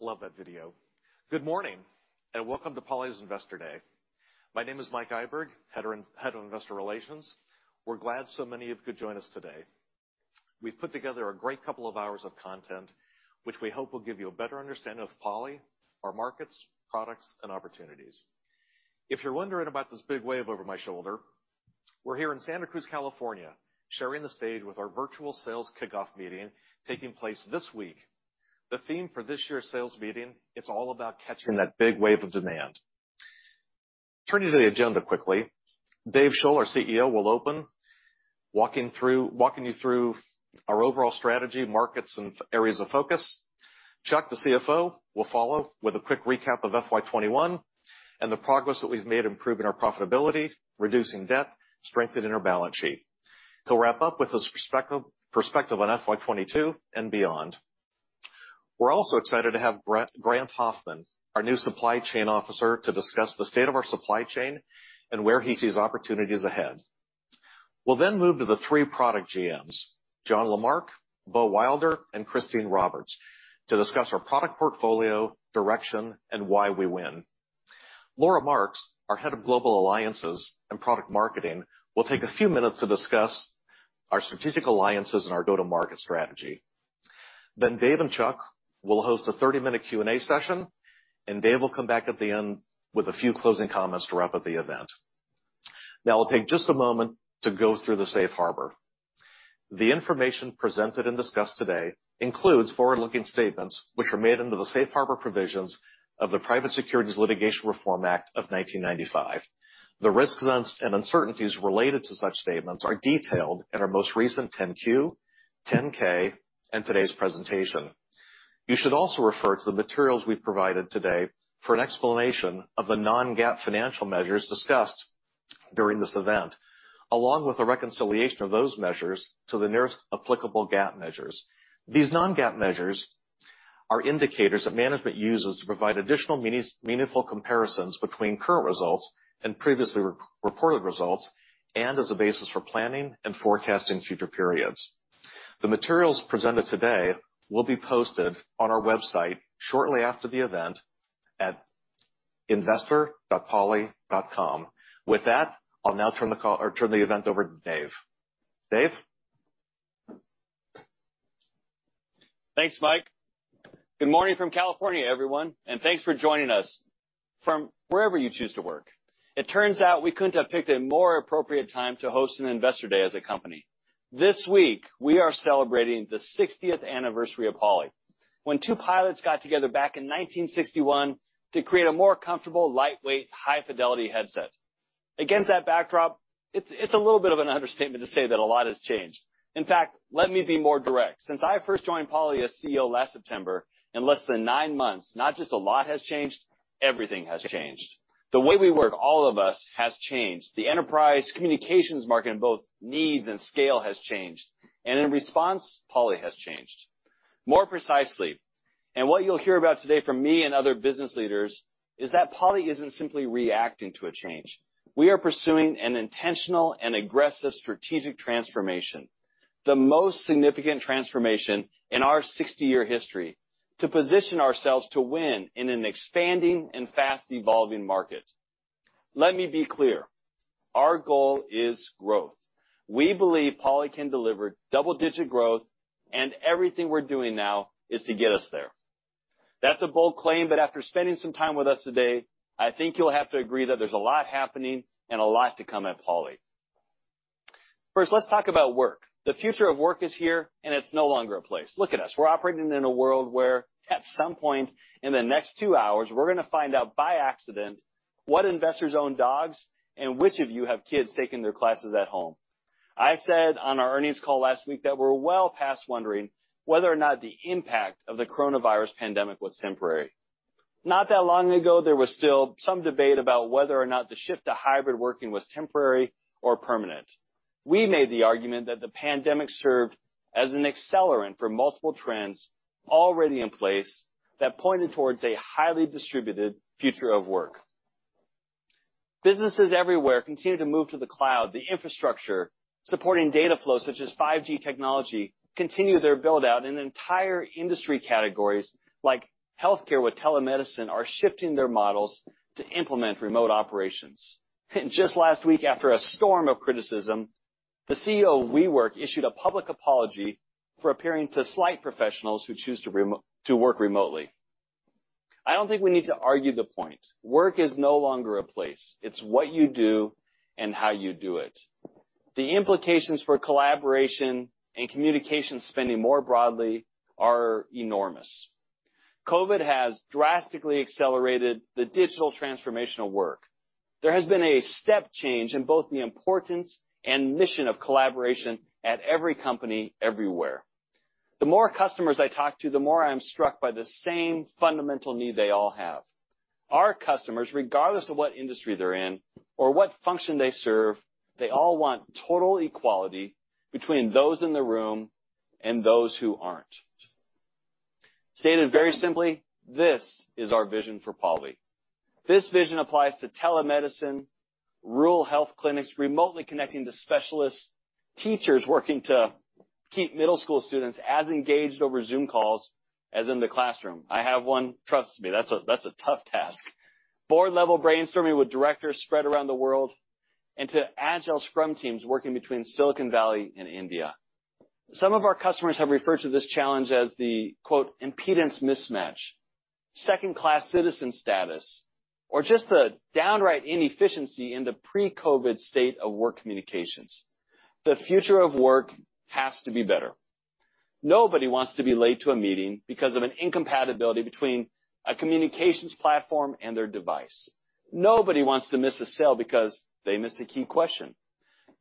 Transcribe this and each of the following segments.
Love that video. Good morning, and welcome to Poly's Investor Day. My name is Mike Iburg, Head of Investor Relations. We're glad so many of you could join us today. We've put together a great couple of hours of content, which we hope will give you a better understanding of Poly, our markets, products, and opportunities. If you're wondering about this big wave over my shoulder, we're here in Santa Cruz, California, sharing the stage with our virtual sales kickoff meeting taking place this week. The theme for this year's sales meeting, it's all about catching that big wave of demand. Turn to the agenda quickly. Dave Shull, our CEO, will open, walking you through our overall strategy, markets, and areas of focus. Chuck, the CFO, will follow with a quick recap of FY 2021 and the progress that we've made improving our profitability, reducing debt, strengthening our balance sheet. He'll wrap up with his perspective on FY 2022 and beyond. We're also excited to have Grant Hoffman, our new Chief Supply Chain Officer, to discuss the state of our supply chain and where he sees opportunities ahead. We'll then move to the three product GMs, John Lamarque, Beau Wilder, and Christine Roberts, to discuss our product portfolio, direction, and why we win. Laura Marx, our Head of Global Alliances and Product Marketing, will take a few minutes to discuss our strategic alliances and our go-to-market strategy. Dave and Chuck will host a 30-minute Q&A session, and Dave will come back at the end with a few closing comments to wrap up the event. Now I'll take just a moment to go through the Safe Harbor. The information presented and discussed today includes forward-looking statements which are made under the Safe Harbor provisions of the Private Securities Litigation Reform Act of 1995. The risks and uncertainties related to such statements are detailed in our most recent 10-Q, 10-K, and today's presentation. You should also refer to the materials we've provided today for an explanation of the non-GAAP financial measures discussed during this event, along with a reconciliation of those measures to the nearest applicable GAAP measures. These non-GAAP measures are indicators that management uses to provide additional meaningful comparisons between current results and previously reported results, and as a basis for planning and forecasting future periods. The materials presented today will be posted on our website shortly after the event at investor.poly.com. With that, I'll now turn the event over to Dave. Dave? Thanks, Mike. Good morning from California, everyone, and thanks for joining us from wherever you choose to work. It turns out we couldn't have picked a more appropriate time to host an Investor Day as a company. This week, we are celebrating the 60th anniversary of Poly. When two pilots got together back in 1961 to create a more comfortable, lightweight, high-fidelity headset. Against that backdrop, it's a little bit of an understatement to say that a lot has changed. In fact, let me be more direct. Since I first joined Poly as CEO last September, in less than nine months, not just a lot has changed, everything has changed. The way we work, all of us, has changed. The enterprise communications market, both needs and scale, has changed. In response, Poly has changed. More precisely, what you'll hear about today from me and other business leaders, is that Poly isn't simply reacting to a change. We are pursuing an intentional and aggressive strategic transformation, the most significant transformation in our 60-year history, to position ourselves to win in an expanding and fast-evolving market. Let me be clear. Our goal is growth. We believe Poly can deliver double-digit growth. Everything we're doing now is to get us there. That's a bold claim. After spending some time with us today, I think you'll have to agree that there's a lot happening and a lot to come at Poly. First, let's talk about work. The future of work is here. It's no longer a place. Look at us. We're operating in a world where at some point in the next two hours, we're going to find out by accident what investors own dogs and which of you have kids taking their classes at home. I said on our earnings call last week that we're well past wondering whether or not the impact of the coronavirus pandemic was temporary. Not that long ago, there was still some debate about whether or not the shift to hybrid working was temporary or permanent. We made the argument that the pandemic served as an accelerant for multiple trends already in place that pointed towards a highly distributed future of work. Businesses everywhere continue to move to the cloud. The infrastructure supporting data flow, such as 5G technology, continue their build-out, and entire industry categories like healthcare with telemedicine are shifting their models to implement remote operations. Just last week, after a storm of criticism, the CEO of WeWork issued a public apology for appearing to slight professionals who choose to work remotely. I don't think we need to argue the point. Work is no longer a place. It's what you do and how you do it. The implications for collaboration and communication spending more broadly are enormous. COVID has drastically accelerated the digital transformation of work. There has been a step change in both the importance and mission of collaboration at every company, everywhere. The more customers I talk to, the more I'm struck by the same fundamental need they all have. Our customers, regardless of what industry they're in or what function they serve, they all want total equality between those in the room and those who aren't. Stated very simply, this is our vision for Poly. This vision applies to telemedicine, rural health clinics remotely connecting to specialists, teachers working to keep middle school students as engaged over Zoom calls as in the classroom. I have one, trust me, that's a tough task. Board-level brainstorming with directors spread around the world, and to Agile Scrum teams working between Silicon Valley and India. Some of our customers have referred to this challenge as the "impedance mismatch," second-class citizen status, or just the downright inefficiency in the pre-COVID state of work communications. The future of work has to be better. Nobody wants to be late to a meeting because of an incompatibility between a communications platform and their device. Nobody wants to miss a sale because they missed a key question.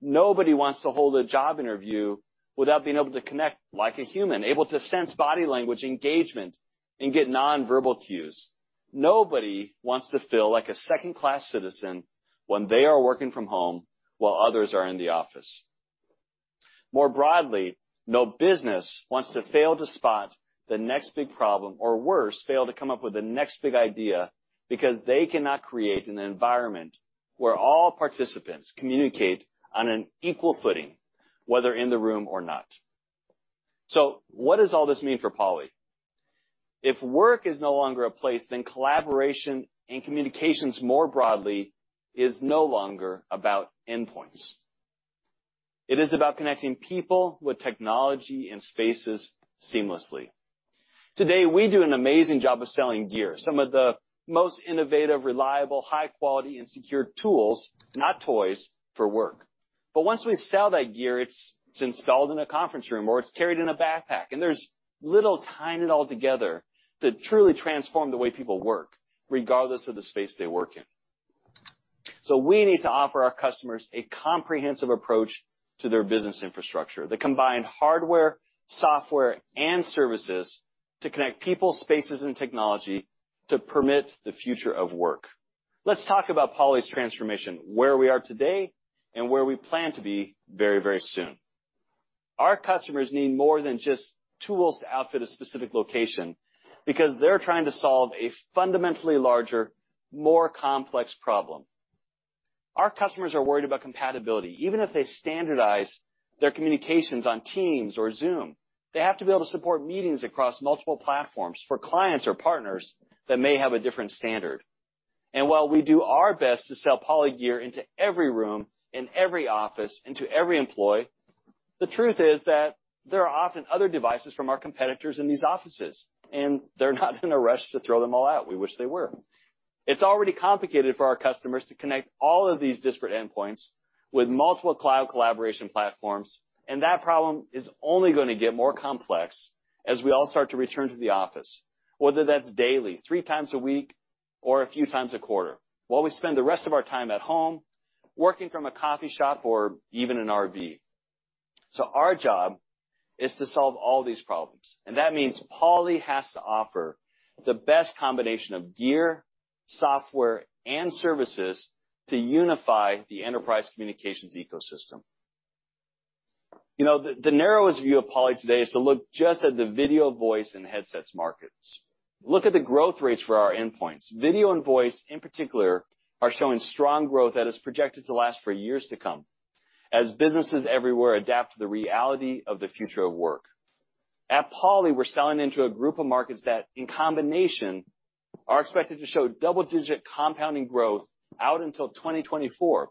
Nobody wants to hold a job interview without being able to connect like a human, able to sense body language engagement, and get non-verbal cues. Nobody wants to feel like a second-class citizen when they are working from home while others are in the office. More broadly, no business wants to fail to spot the next big problem, or worse, fail to come up with the next big idea because they cannot create an environment where all participants communicate on an equal footing, whether in the room or not. What does all this mean for Poly? If work is no longer a place, then collaboration and communications more broadly is no longer about endpoints. It is about connecting people with technology and spaces seamlessly. Today, we do an amazing job of selling gear, some of the most innovative, reliable, high quality, and secure tools, not toys, for work. Once we sell that gear, it's installed in a conference room or it's carried in a backpack, and there's little tying it all together to truly transform the way people work, regardless of the space they work in. We need to offer our customers a comprehensive approach to their business infrastructure that combine hardware, software, and services to connect people, spaces, and technology to permit the future of work. Let's talk about Poly's transformation, where we are today, and where we plan to be very soon. Our customers need more than just tools to outfit a specific location because they're trying to solve a fundamentally larger, more complex problem. Our customers are worried about compatibility. Even if they standardize their communications on Teams or Zoom, they have to be able to support meetings across multiple platforms for clients or partners that may have a different standard. While we do our best to sell Poly gear into every room, in every office, and to every employee, the truth is that there are often other devices from our competitors in these offices, and they're not in a rush to throw them all out. We wish they were. It's already complicated for our customers to connect all of these disparate endpoints with multiple cloud collaboration platforms. That problem is only going to get more complex as we all start to return to the office, whether that's daily, three times a week, or a few times a quarter, while we spend the rest of our time at home, working from a coffee shop or even an RV. Our job is to solve all these problems, and that means Poly has to offer the best combination of gear, software, and services to unify the enterprise communications ecosystem. The narrowest view of Poly today is to look just at the video, voice, and headsets markets. Look at the growth rates for our endpoints. Video and voice, in particular, are showing strong growth that is projected to last for years to come as businesses everywhere adapt to the reality of the future of work. At Poly, we're selling into a group of markets that, in combination, are expected to show double-digit compounding growth out until 2024,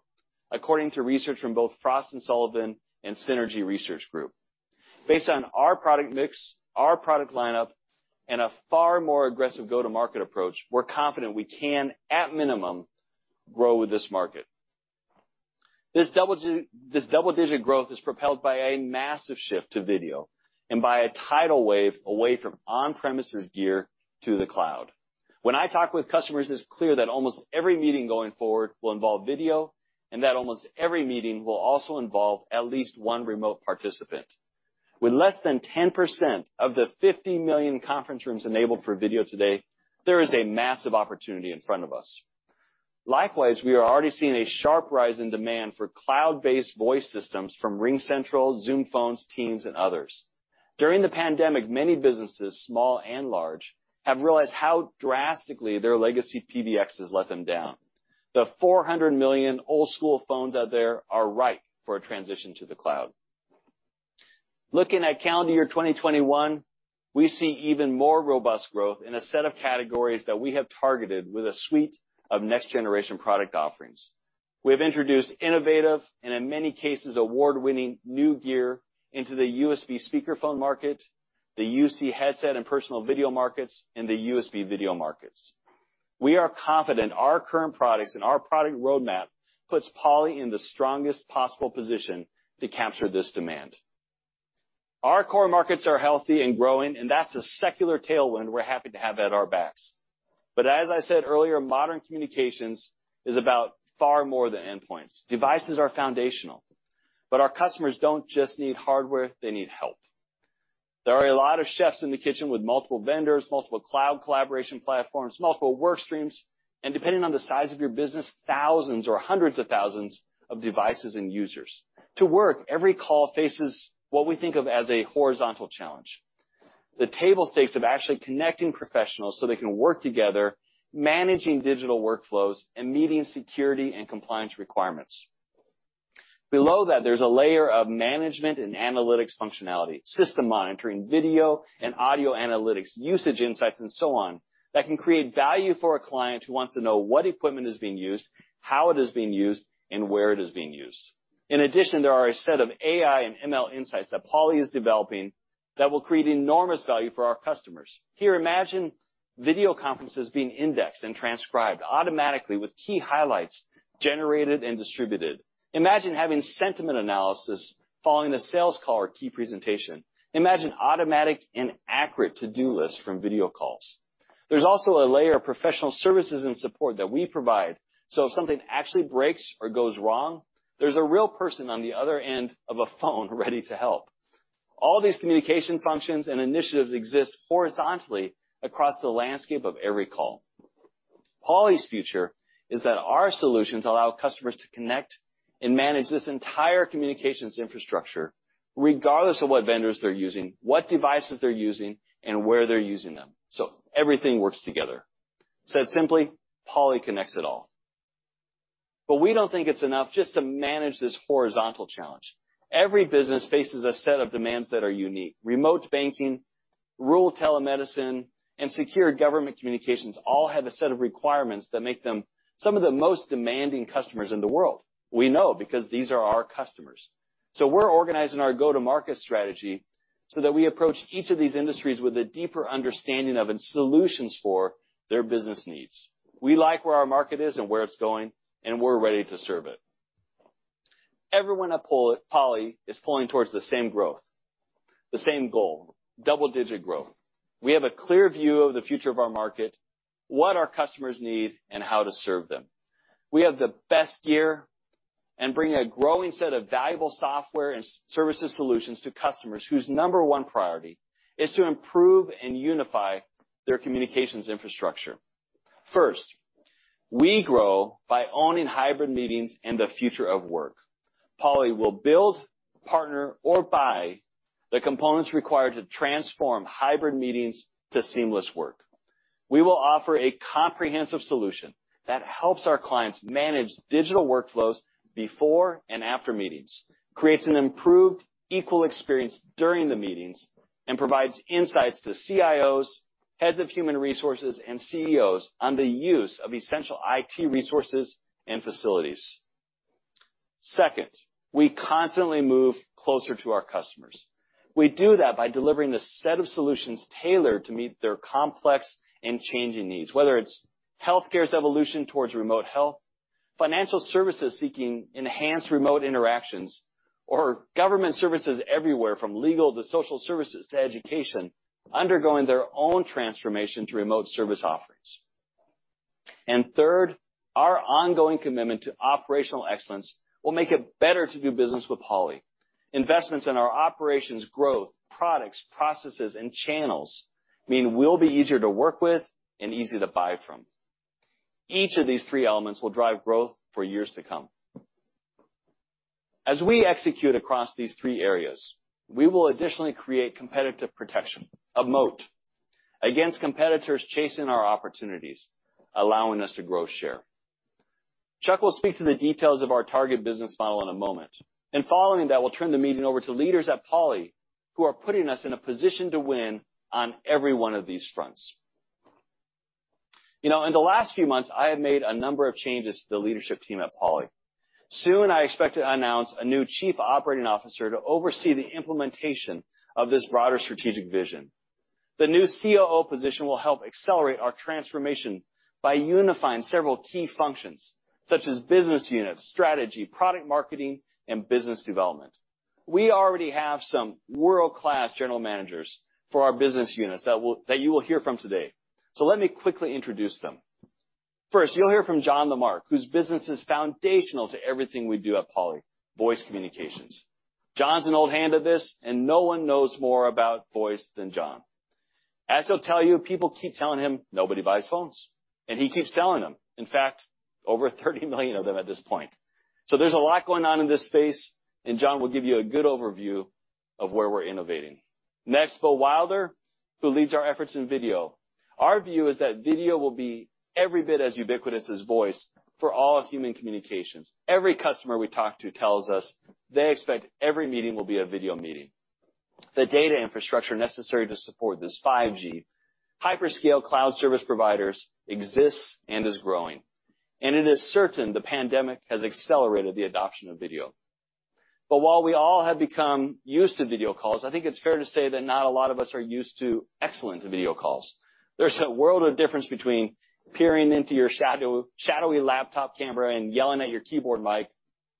according to research from both Frost & Sullivan and Synergy Research Group. Based on our product mix, our product lineup, and a far more aggressive go-to-market approach, we're confident we can, at minimum, grow with this market. This double-digit growth is propelled by a massive shift to video and by a tidal wave away from on-premises gear to the cloud. When I talk with customers, it is clear that almost every meeting going forward will involve video, and that almost every meeting will also involve at least one remote participant. With less than 10% of the 50 million conference rooms enabled for video today, there is a massive opportunity in front of us. Likewise, we are already seeing a sharp rise in demand for cloud-based voice systems from RingCentral, Zoom Phone, Teams, and others. During the pandemic, many businesses, small and large, have realized how drastically their legacy PBXs let them down. The 400 million old-school phones out there are ripe for a transition to the cloud. Looking at calendar year 2021, we see even more robust growth in a set of categories that we have targeted with a suite of next-generation product offerings. We have introduced innovative, and in many cases, award-winning new gear into the USB speakerphone market, the UC headset and personal video markets, and the USB video markets. We are confident our current products and our product roadmap puts Poly in the strongest possible position to capture this demand. Our core markets are healthy and growing, and that's a secular tailwind we're happy to have at our backs. As I said earlier, modern communications is about far more than endpoints. Devices are foundational, but our customers don't just need hardware, they need help. There are a lot of chefs in the kitchen with multiple vendors, multiple cloud collaboration platforms, multiple work streams, and depending on the size of your business, thousands or hundreds of thousands of devices and users. To work, every call faces what we think of as a horizontal challenge. The table stakes of actually connecting professionals so they can work together managing digital workflows and meeting security and compliance requirements. Below that, there's a layer of management and analytics functionality, system monitoring, video and audio analytics, usage insights, and so on, that can create value for a client who wants to know what equipment is being used, how it is being used, and where it is being used. In addition, there are a set of AI and ML insights that Poly is developing that will create enormous value for our customers. Here, imagine video conferences being indexed and transcribed automatically with key highlights generated and distributed. Imagine having sentiment analysis following a sales call or key presentation. Imagine automatic and accurate to-do lists from video calls. There's also a layer of professional services and support that we provide, so if something actually breaks or goes wrong, there's a real person on the other end of a phone ready to help. All these communication functions and initiatives exist horizontally across the landscape of every call. Poly's future is that our solutions allow customers to connect and manage this entire communications infrastructure regardless of what vendors they're using, what devices they're using, and where they're using them. Everything works together. Said simply, Poly connects it all. We don't think it's enough just to manage this horizontal challenge. Every business faces a set of demands that are unique. Remote banking, rural telemedicine, and secure government communications all have a set of requirements that make them some of the most demanding customers in the world. We know because these are our customers. We're organizing our go-to-market strategy so that we approach each of these industries with a deeper understanding of and solutions for their business needs. We like where our market is and where it's going. We're ready to serve it. Everyone at Poly is pulling towards the same growth, the same goal, double-digit growth. We have a clear view of the future of our market, what our customers need, and how to serve them. We have the best year and bring a growing set of valuable software and services solutions to customers whose number one priority is to improve and unify their communications infrastructure. First, we grow by owning hybrid meetings and the future of work. Poly will build, partner, or buy the components required to transform hybrid meetings to seamless work. We will offer a comprehensive solution that helps our clients manage digital workflows before and after meetings, creates an improved equal experience during the meetings, and provides insights to CIOs, heads of human resources, and CEOs on the use of essential IT resources and facilities. Second, we constantly move closer to our customers. We do that by delivering a set of solutions tailored to meet their complex and changing needs. Whether it's healthcare's evolution towards remote health, financial services seeking enhanced remote interactions, or government services everywhere from legal to social services to education, undergoing their own transformation to remote service offerings. Third, our ongoing commitment to operational excellence will make it better to do business with Poly. Investments in our operations, growth, products, processes, and channels mean we'll be easier to work with and easy to buy from. Each of these three elements will drive growth for years to come. We execute across these three areas, we will additionally create competitive protection, a moat against competitors chasing our opportunities, allowing us to grow share. Chuck will speak to the details of our target business model in a moment. Following that, we'll turn the meeting over to leaders at Poly who are putting us in a position to win on every one of these fronts. In the last few months, I have made a number of changes to the leadership team at Poly. Soon, I expect to announce a new Chief Operating Officer to oversee the implementation of this broader strategic vision. The new COO position will help accelerate our transformation by unifying several key functions such as business units, strategy, product marketing, and business development. We already have some world-class general managers for our business units that you will hear from today. Let me quickly introduce them. First, you'll hear from John Lamarque, whose business is foundational to everything we do at Poly, voice communications. John's an old hand at this, and no one knows more about voice than John. As he'll tell you, people keep telling him nobody buys phones, and he keeps selling them. In fact, over 30 million of them at this point. There's a lot going on in this space, and John will give you a good overview of where we're innovating. Next, Beau Wilder, who leads our efforts in video. Our view is that video will be every bit as ubiquitous as voice for all of human communications. Every customer we talk to tells us they expect every meeting will be a video meeting. The data infrastructure necessary to support this 5G hyperscale cloud service providers exists and is growing. It is certain the pandemic has accelerated the adoption of video. While we all have become used to video calls, I think it's fair to say that not a lot of us are used to excellent video calls. There's a world of difference between peering into your shadowy laptop camera and yelling at your keyboard mic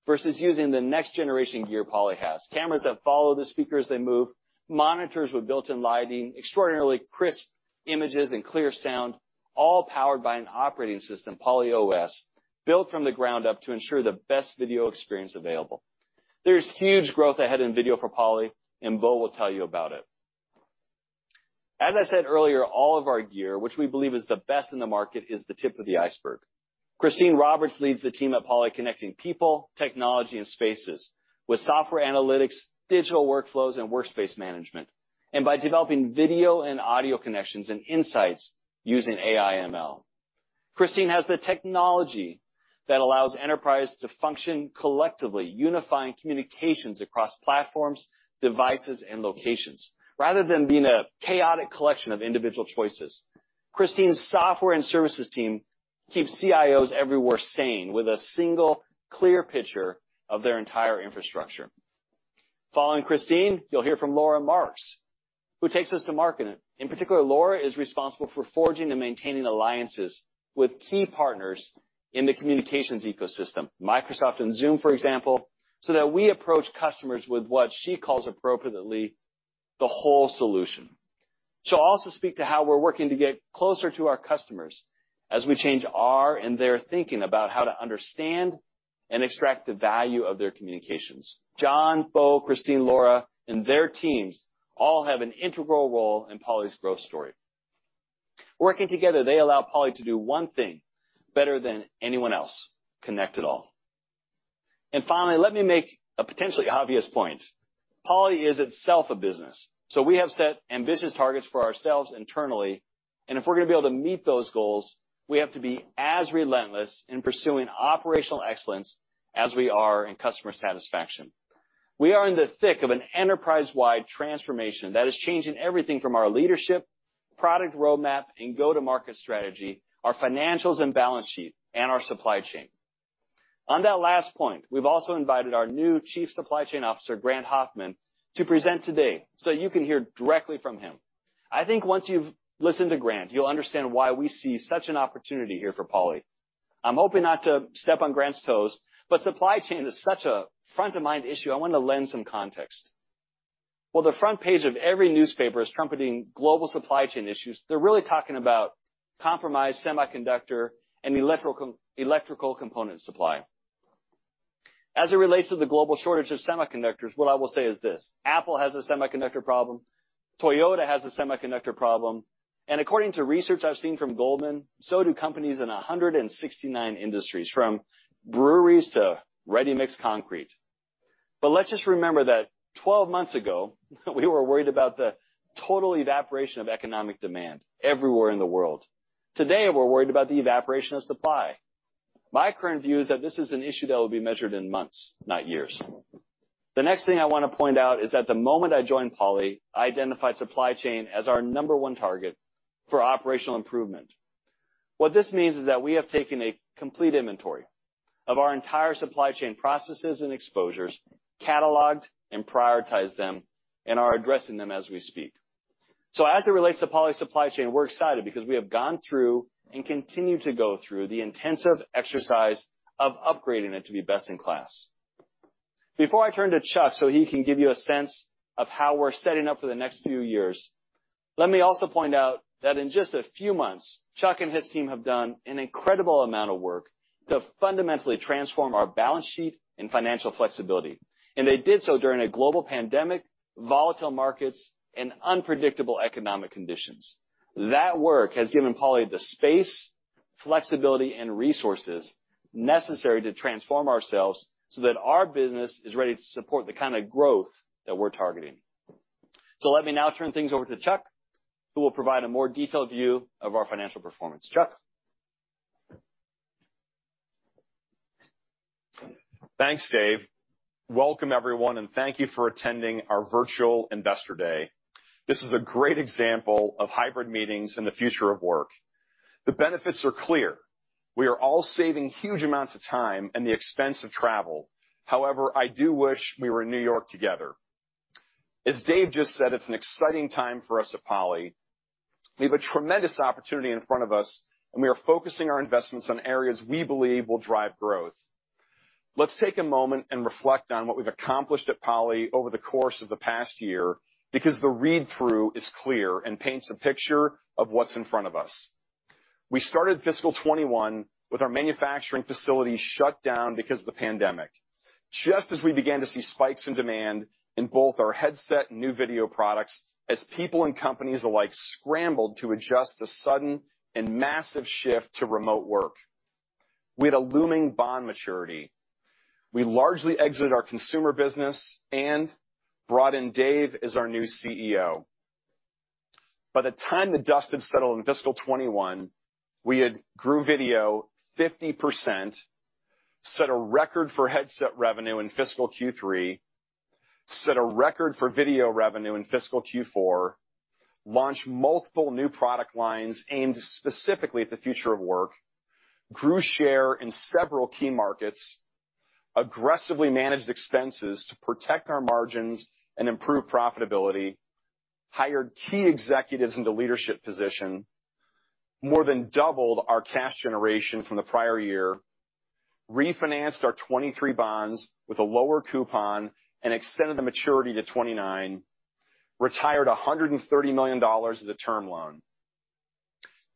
versus using the next generation gear Poly has. Cameras that follow the speakers as they move, monitors with built-in lighting, extraordinarily crisp images, and clear sound, all powered by an operating system, Poly OS, built from the ground up to ensure the best video experience available. There's huge growth ahead in video for Poly. Beau will tell you about it. As I said earlier, all of our gear, which we believe is the best in the market, is the tip of the iceberg. Christine Roberts leads the team at Poly connecting people, technology, and spaces with software analytics, digital workflows, and workspace management, and by developing video and audio connections and insights using AI ML. Christine has the technology that allows enterprise to function collectively, unifying communications across platforms, devices, and locations, rather than being a chaotic collection of individual choices. Christine's software and services team keeps CIOs everywhere sane with a single, clear picture of their entire infrastructure. Following Christine, you'll hear from Laura Marx, who takes us to market. In particular, Laura is responsible for forging and maintaining alliances with key partners in the communications ecosystem, Microsoft and Zoom, for example, so that we approach customers with what she calls appropriately the whole solution. She'll also speak to how we're working to get closer to our customers as we change our and their thinking about how to understand and extract the value of their communications. John, Beau, Christine, Laura, and their teams all have an integral role in Poly's growth story. Working together, they allow Poly to do one thing better than anyone else, connect it all. Finally, let me make a potentially obvious point. Poly is itself a business, so we have set ambitious targets for ourselves internally, and if we're going to be able to meet those goals, we have to be as relentless in pursuing operational excellence as we are in customer satisfaction. We are in the thick of an enterprise-wide transformation that is changing everything from our leadership, product roadmap, and go-to-market strategy, our financials and balance sheet, and our supply chain. On that last point, we've also invited our new Chief Supply Chain Officer, Grant Hoffman, to present today so you can hear directly from him. I think once you've listened to Grant, you'll understand why we see such an opportunity here for Poly. I'm hoping not to step on Grant's toes, but supply chain is such a front-of-mind issue, I want to lend some context. While the front page of every newspaper is trumpeting global supply chain issues, they're really talking about compromised semiconductor and electrical component supply. As it relates to the global shortage of semiconductors, what I will say is this: Apple has a semiconductor problem, Toyota has a semiconductor problem, and according to research I've seen from Goldman, so do companies in 169 industries, from breweries to ready-mix concrete. Let's just remember that 12 months ago, we were worried about the total evaporation of economic demand everywhere in the world. Today, we're worried about the evaporation of supply. My current view is that this is an issue that will be measured in months, not years. The next thing I want to point out is that the moment I joined Poly, I identified supply chain as our number one target for operational improvement. What this means is that we have taken a complete inventory of our entire supply chain processes and exposures, cataloged and prioritized them, and are addressing them as we speak. As it relates to Poly supply chain, we're excited because we have gone through and continue to go through the intensive exercise of upgrading it to be best in class. Before I turn to Chuck so he can give you a sense of how we're setting up for the next few years, let me also point out that in just a few months, Chuck and his team have done an incredible amount of work to fundamentally transform our balance sheet and financial flexibility. They did so during a global pandemic, volatile markets, and unpredictable economic conditions. That work has given Poly the space, flexibility, and resources necessary to transform ourselves so that our business is ready to support the kind of growth that we're targeting. Let me now turn things over to Chuck, who will provide a more detailed view of our financial performance. Chuck? Thanks, Dave. Welcome, everyone, and thank you for attending our virtual Investor Day. This is a great example of hybrid meetings and the future of work. The benefits are clear. We are all saving huge amounts of time and the expense of travel. However, I do wish we were in New York together. As Dave just said, it's an exciting time for us at Poly. We have a tremendous opportunity in front of us, and we are focusing our investments on areas we believe will drive growth. Let's take a moment and reflect on what we've accomplished at Poly over the course of the past year because the read-through is clear and paints a picture of what's in front of us. We started FY 2021 with our manufacturing facilities shut down because of the pandemic, just as we began to see spikes in demand in both our headset and new video products, as people and companies alike scrambled to adjust to the sudden and massive shift to remote work. We had a looming bond maturity. We largely exited our consumer business and brought in Dave as our new CEO. By the time the dust had settled in fiscal 2021, we had grew video 50%, set a record for headset revenue in fiscal Q3, set a record for video revenue in fiscal Q4, launched multiple new product lines aimed specifically at the future of work, grew share in several key markets, aggressively managed expenses to protect our margins and improve profitability, hired key executives into leadership position, more than doubled our cash generation from the prior year, refinanced our 2023 bonds with a lower coupon and extended the maturity to 2029, retired $130 million of the term loan.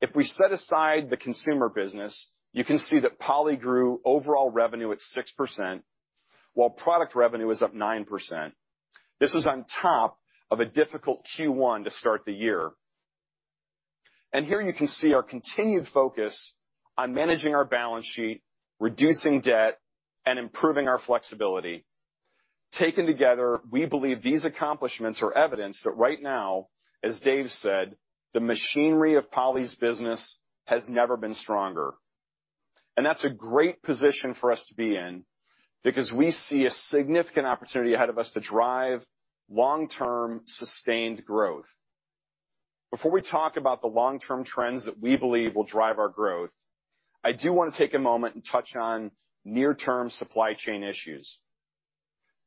If we set aside the consumer business, you can see that Poly grew overall revenue at 6%. While product revenue is up 9%. This is on top of a difficult Q1 to start the year. Here you can see our continued focus on managing our balance sheet, reducing debt, and improving our flexibility. Taken together, we believe these accomplishments are evidence that right now, as Dave said, the machinery of Poly's business has never been stronger. That's a great position for us to be in because we see a significant opportunity ahead of us to drive long-term sustained growth. Before we talk about the long-term trends that we believe will drive our growth, I do want to take a moment and touch on near-term supply chain issues.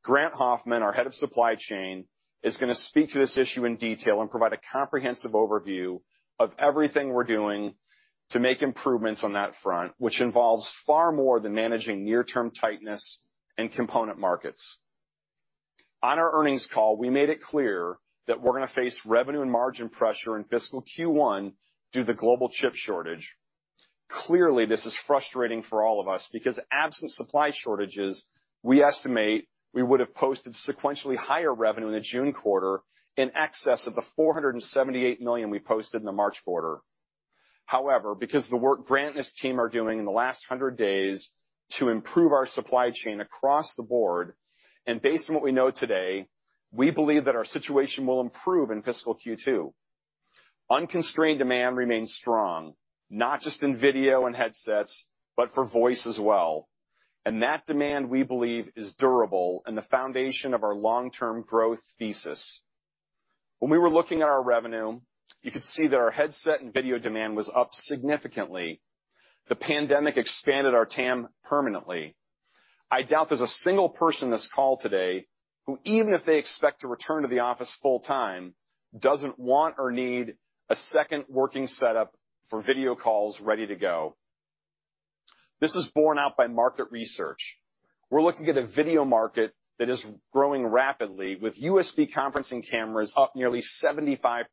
Grant Hoffman, our Head of Supply Chain, is going to speak to this issue in detail and provide a comprehensive overview of everything we're doing to make improvements on that front, which involves far more than managing near-term tightness in component markets. On our earnings call, we made it clear that we're going to face revenue margin pressure in fiscal Q1 due to the global chip shortage. Clearly, this is frustrating for all of us because absent supply shortages, we estimate we would've posted sequentially higher revenue in the June quarter in excess of the $478 million we posted in the March quarter. Because the work Grant and his team are doing in the last 100 days to improve our supply chain across the board, and based on what we know today, we believe that our situation will improve in fiscal Q2. Unconstrained demand remains strong, not just in video and headsets, but for voice as well. That demand, we believe, is durable and the foundation of our long-term growth thesis. When we were looking at our revenue, you can see that our headset and video demand was up significantly. The pandemic expanded our TAM permanently. I doubt there's a single person on this call today who, even if they expect to return to the office full-time, doesn't want or need a second working setup for video calls ready to go. This is borne out by market research. We're looking at a video market that is growing rapidly with USB conferencing cameras up nearly 75%.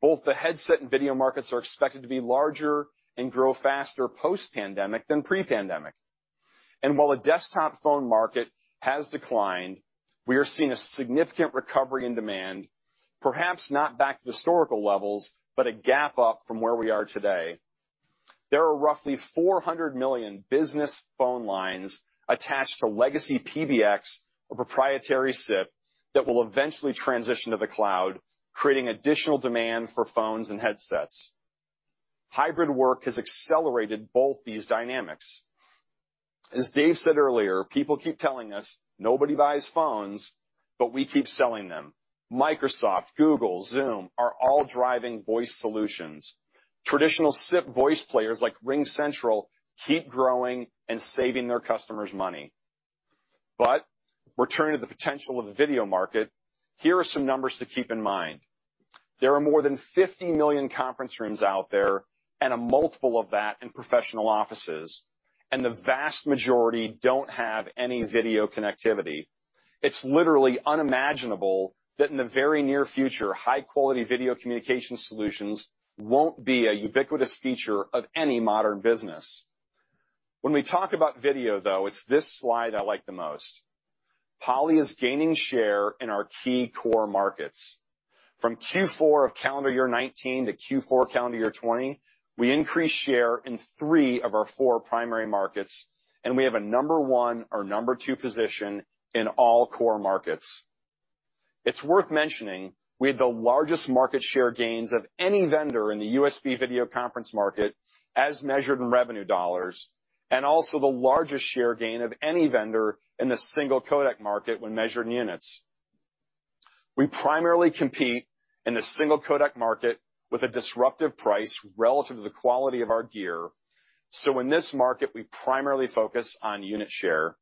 Both the headset and video markets are expected to be larger and grow faster post-pandemic than pre-pandemic. While the desktop phone market has declined, we are seeing a significant recovery in demand, perhaps not back to historical levels, but a gap up from where we are today. There are roughly 400 million business phone lines attached to legacy PBX or proprietary SIP that will eventually transition to the cloud, creating additional demand for phones and headsets. Hybrid work has accelerated both these dynamics. As Dave said earlier, people keep telling us nobody buys phones, but we keep selling them. Microsoft, Google, Zoom are all driving voice solutions. Traditional SIP voice players like RingCentral keep growing and saving their customers money. Returning to the potential of the video market, here are some numbers to keep in mind. There are more than 50 million conference rooms out there and a multiple of that in professional offices, and the vast majority don't have any video connectivity. It's literally unimaginable that in the very near future, high-quality video communication solutions won't be a ubiquitous feature of any modern business. When we talk about video, though, it's this slide I like the most. Poly is gaining share in our key core markets. From Q4 of calendar year 2019 to Q4 calendar year 2020, we increased share in three of our four primary markets, and we have a number one or number two position in all core markets. It's worth mentioning we have the largest market share gains of any vendor in the USB video conference market as measured in revenue dollars, and also the largest share gain of any vendor in the single codec market when measured in units. We primarily compete in the single codec market with a disruptive price relative to the quality of our gear. In this market, we primarily focus on unit share.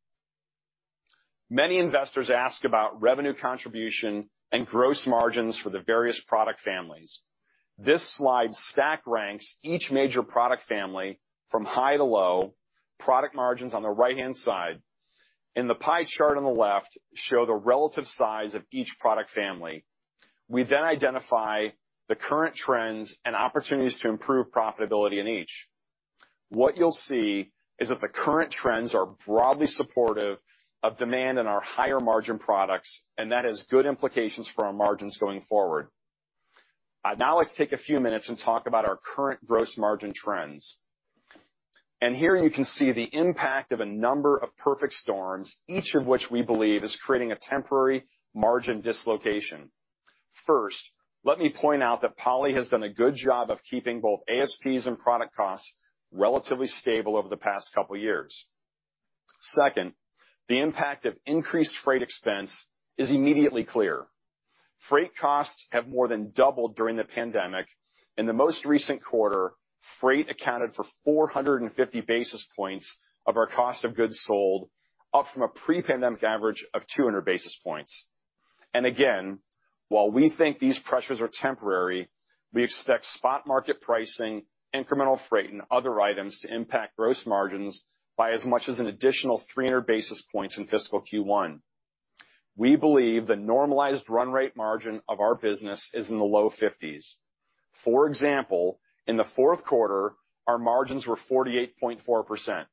Many investors ask about revenue contribution and gross margins for the various product families. This slide stack ranks each major product family from high to low. Product margins on the right-hand side and the pie chart on the left show the relative size of each product family. We identify the current trends and opportunities to improve profitability in each. What you'll see is that the current trends are broadly supportive of demand in our higher margin products, and that has good implications for our margins going forward. I'd now like to take a few minutes and talk about our current gross margin trends. Here you can see the impact of a number of perfect storms, each of which we believe is creating a temporary margin dislocation. First, let me point out that Poly has done a good job of keeping both ASPs and product costs relatively stable over the past couple of years. Second, the impact of increased freight expense is immediately clear. Freight costs have more than doubled during the pandemic. In the most recent quarter, freight accounted for 450 basis points of our cost of goods sold, up from a pre-pandemic average of 200 basis points. Again, while we think these pressures are temporary, we expect spot market pricing, incremental freight, and other items to impact gross margins by as much as an additional 300 basis points in fiscal Q1. We believe the normalized run rate margin of our business is in the low 50s. For example, in the fourth quarter, our margins were 48.4%.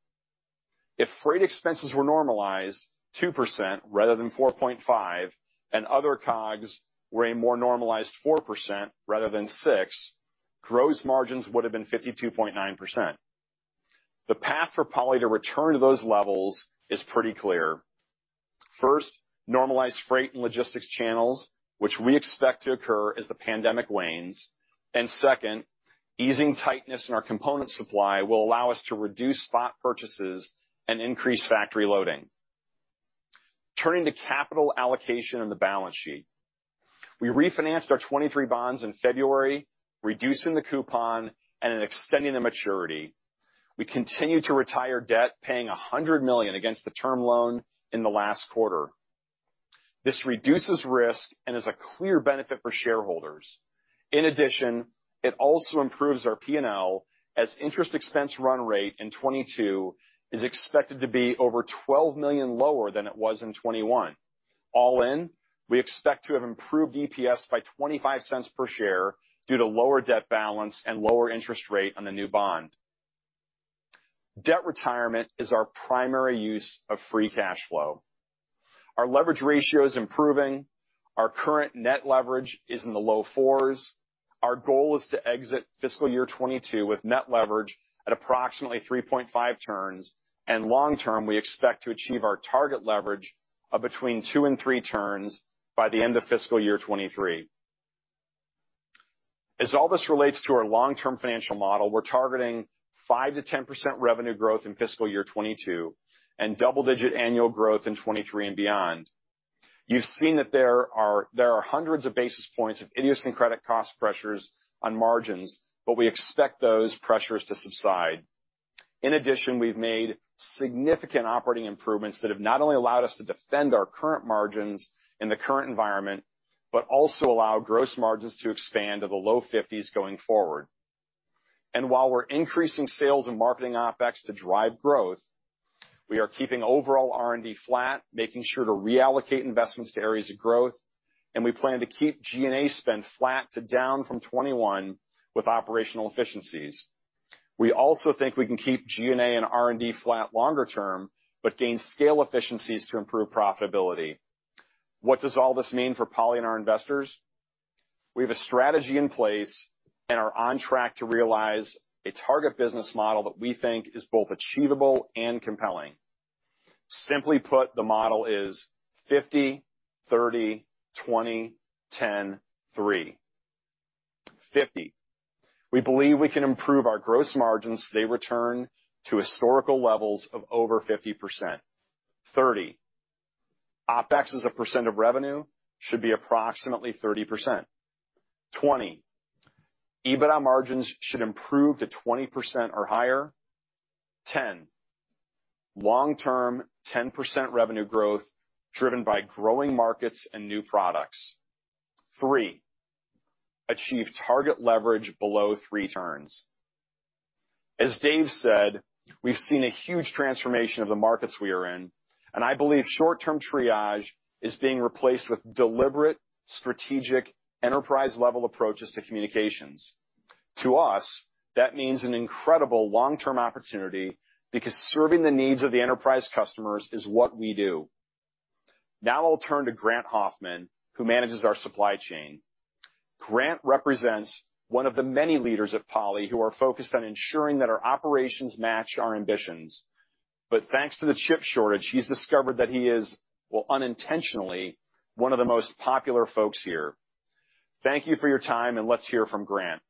If freight expenses were normalized 2% rather than 4.5%, and other COGS were a more normalized 4% rather than 6%, gross margins would've been 52.9%. The path for Poly to return to those levels is pretty clear. First, normalize freight and logistics channels, which we expect to occur as the pandemic wanes. Second, easing tightness in our component supply will allow us to reduce spot purchases and increase factory loading. Turning to capital allocation of the balance sheet. We refinanced our 2023 bonds in February, reducing the coupon and extending the maturity. We continued to retire debt, paying $100 million against the term loan in the last quarter. This reduces risk and is a clear benefit for shareholders. In addition, it also improves our P&L, as interest expense run rate in 2022 is expected to be over $12 million lower than it was in 2021. All in, we expect to have improved EPS by $0.25/share due to lower debt balance and lower interest rate on the new bond. Debt retirement is our primary use of free cash flow. Our leverage ratio is improving. Our current net leverage is in the low fours. Our goal is to exit fiscal year 2022 with net leverage at approximately 3.5 turns, and long term, we expect to achieve our target leverage of between two and three turns by the end of fiscal year 2023. As all this relates to our long-term financial model, we're targeting 5%-10% revenue growth in fiscal year 2022, and double-digit annual growth in 2023 and beyond. You've seen that there are hundreds of basis points of idiosyncratic cost pressures on margins, but we expect those pressures to subside. In addition, we've made significant operating improvements that have not only allowed us to defend our current margins in the current environment, but also allow gross margins to expand to the low 50s going forward. While we're increasing sales and marketing OpEx to drive growth, we are keeping overall R&D flat, making sure to reallocate investments to areas of growth, and we plan to keep G&A spend flat to down from 2021 with operational efficiencies. We also think we can keep G&A and R&D flat longer term, but gain scale efficiencies to improve profitability. What does all this mean for Poly and our investors? We have a strategy in place and are on track to realize a target business model that we think is both achievable and compelling. Simply put, the model is 50/30/20/10/3. 50: we believe we can improve our gross margins so they return to historical levels of over 50%. 30: OpEx as a % of revenue should be approximately 30%. 20: EBITDA margins should improve to 20% or higher. 10: long-term 10% revenue growth driven by growing markets and new products. 3: achieve target leverage below three turns. As Dave said, we've seen a huge transformation of the markets we are in. I believe short-term triage is being replaced with deliberate, strategic, enterprise-level approaches to communications. To us, that means an incredible long-term opportunity because serving the needs of the enterprise customers is what we do. I'll turn to Grant Hoffman, who manages our supply chain. Grant represents one of the many leaders at Poly who are focused on ensuring that our operations match our ambitions. Thanks to the chip shortage, he's discovered that he is, well, unintentionally, one of the most popular folks here. Thank you for your time. Let's hear from Grant.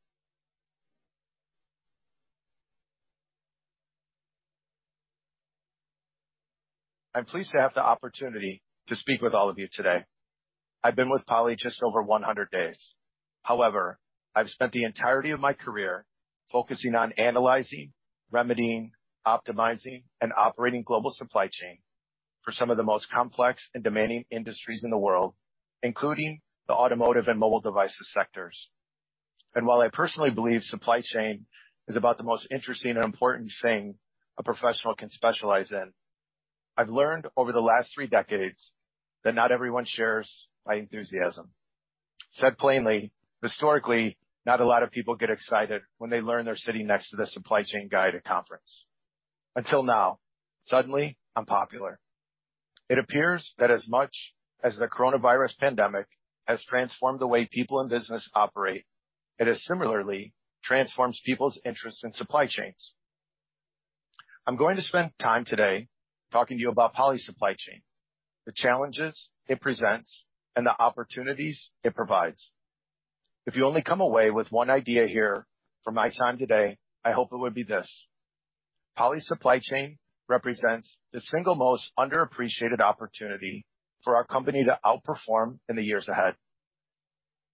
I'm pleased to have the opportunity to speak with all of you today. I've been with Poly just over 100 days. However, I've spent the entirety of my career focusing on analyzing, remedying, optimizing, and operating global supply chain for some of the most complex and demanding industries in the world, including the automotive and mobile devices sectors. While I personally believe supply chain is about the most interesting and important thing a professional can specialize in, I've learned over the last 3 decades that not everyone shares my enthusiasm. Said plainly, historically, not a lot of people get excited when they learn they're sitting next to the supply chain guy at a conference. Until now. Suddenly, I'm popular. It appears that as much as the coronavirus pandemic has transformed the way people and business operate, it has similarly transformed people's interest in supply chains. I'm going to spend time today talking to you about Poly's supply chain, the challenges it presents, and the opportunities it provides. If you only come away with one idea here from my time today, I hope it would be this: Poly supply chain represents the single most underappreciated opportunity for our company to outperform in the years ahead.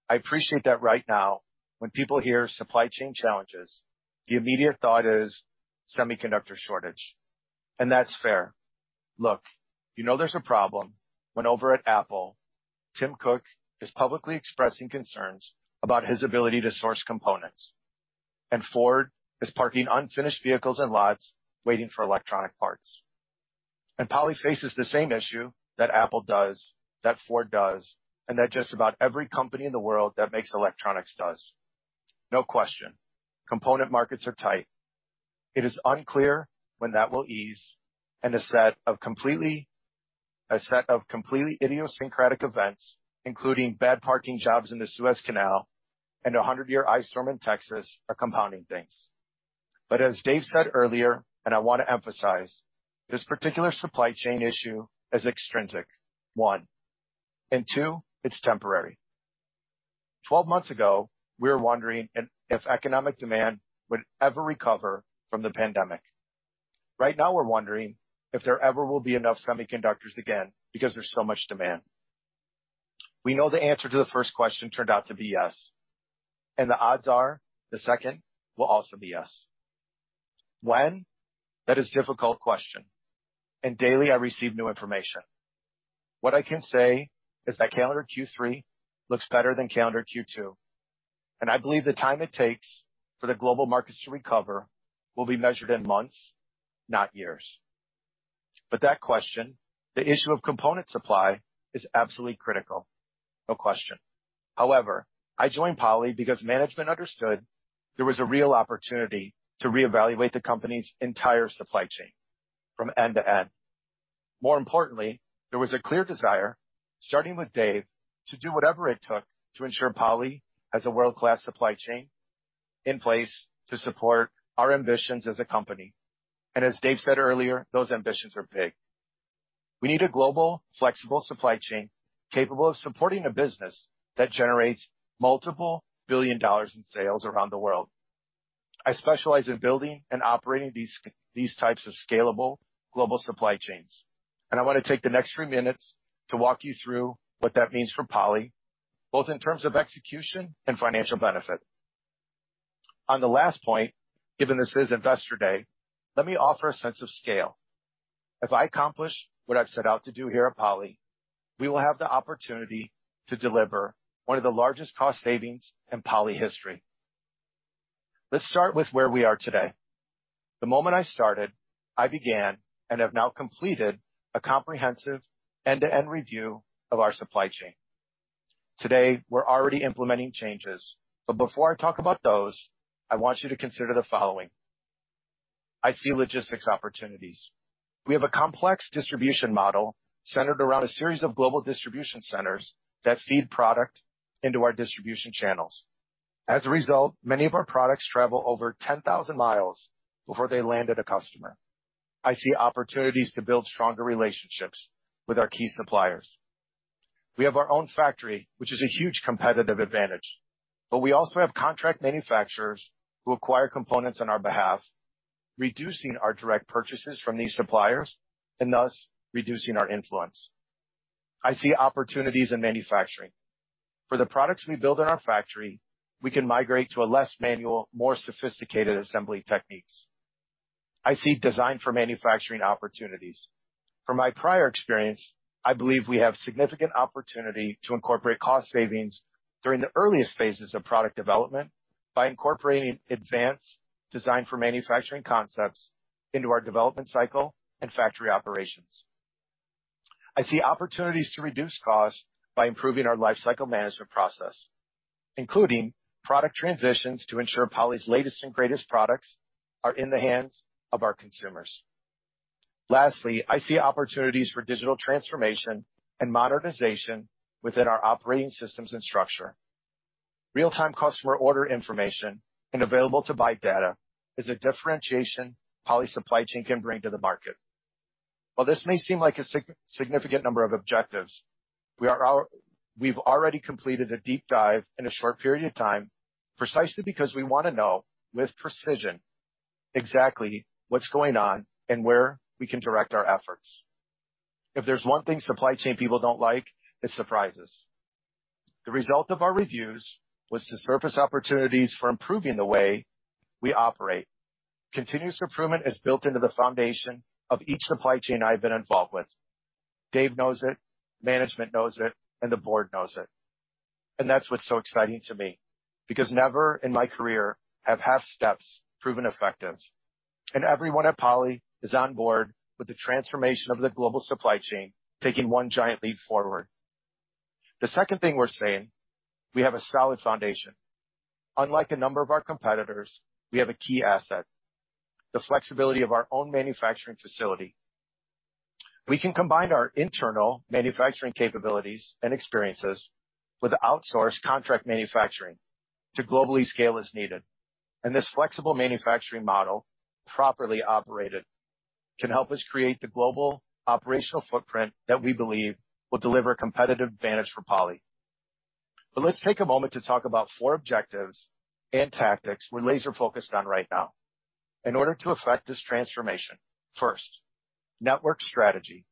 I appreciate that right now, when people hear supply chain challenges, the immediate thought is semiconductor shortage, and that's fair. Look, you know there's a problem when over at Apple, Tim Cook is publicly expressing concerns about his ability to source components. Ford is parking unfinished vehicles in lots waiting for electronic parts. Poly faces the same issue that Apple does, that Ford does, and that just about every company in the world that makes electronics does. No question, component markets are tight. It is unclear when that will ease, and a set of completely idiosyncratic events, including bad parking jobs in the Suez Canal and a 100-year ice storm in Texas are compounding things. As Dave said earlier, and I want to emphasize, this particular supply chain issue is extrinsic, one, and two, it's temporary. 12 months ago, we were wondering if economic demand would ever recover from the pandemic. Right now we're wondering if there ever will be enough semiconductors again because there's so much demand. We know the answer to the first question turned out to be yes, and the odds are the second will also be yes. When? That is a difficult question, and daily I receive new information. What I can say is that calendar Q3 looks better than calendar Q2, and I believe the time it takes for the global markets to recover will be measured in months, not years. That question, the issue of component supply, is absolutely critical. No question. However, I joined Poly because management understood there was a real opportunity to reevaluate the company's entire supply chain from end to end. More importantly, there was a clear desire, starting with Dave, to do whatever it took to ensure Poly has a world-class supply chain in place to support our ambitions as a company. As Dave said earlier, those ambitions are big. We need a global, flexible supply chain capable of supporting a business that generates multiple billion dollars in sales around the world. I specialize in building and operating these types of scalable global supply chains. I want to take the next three minutes to walk you through what that means for Poly, both in terms of execution and financial benefit. On the last point, given this is Investor Day, let me offer a sense of scale. If I accomplish what I've set out to do here at Poly, we will have the opportunity to deliver one of the largest cost savings in Poly history. Let's start with where we are today. The moment I started, I began, and have now completed a comprehensive end-to-end review of our supply chain. Today, we're already implementing changes. Before I talk about those, I want you to consider the following. I see logistics opportunities. We have a complex distribution model centered around a series of global distribution centers that feed product into our distribution channels. As a result, many of our products travel over 10,000 miles before they land at a customer. I see opportunities to build stronger relationships with our key suppliers. We have our own factory, which is a huge competitive advantage, but we also have contract manufacturers who acquire components on our behalf, reducing our direct purchases from these suppliers and thus reducing our influence. I see opportunities in manufacturing. For the products we build in our factory, we can migrate to a less manual, more sophisticated assembly techniques. I see design for manufacturing opportunities. From my prior experience, I believe we have significant opportunity to incorporate cost savings during the earliest phases of product development by incorporating advanced design for manufacturing concepts into our development cycle and factory operations. I see opportunities to reduce cost by improving our lifecycle management process, including product transitions to ensure Poly's latest and greatest products are in the hands of our consumers. Lastly, I see opportunities for digital transformation and modernization within our operating systems and structure. Real-time customer order information and available to buy data is a differentiation Poly supply chain can bring to the market. While this may seem like a significant number of objectives, we've already completed a deep dive in a short period of time, precisely because we want to know with precision exactly what's going on and where we can direct our efforts. If there's one thing supply chain people don't like, it's surprises. The result of our reviews was to surface opportunities for improving the way we operate. Continuous improvement is built into the foundation of each supply chain I've been involved with. Dave knows it, management knows it, and the board knows it. That's what's so exciting to me, because never in my career have half steps proven effective. Everyone at Poly is on board with the transformation of the global supply chain, taking one giant leap forward. The second thing we're seeing, we have a solid foundation. Unlike a number of our competitors, we have a key asset, the flexibility of our own manufacturing facility. We can combine our internal manufacturing capabilities and experiences with outsourced contract manufacturing to globally scale as needed. This flexible manufacturing model, properly operated, can help us create the global operational footprint that we believe will deliver competitive advantage for Poly. Let's take a moment to talk about four objectives and tactics we're laser focused on right now in order to effect this transformation. First, network strategy.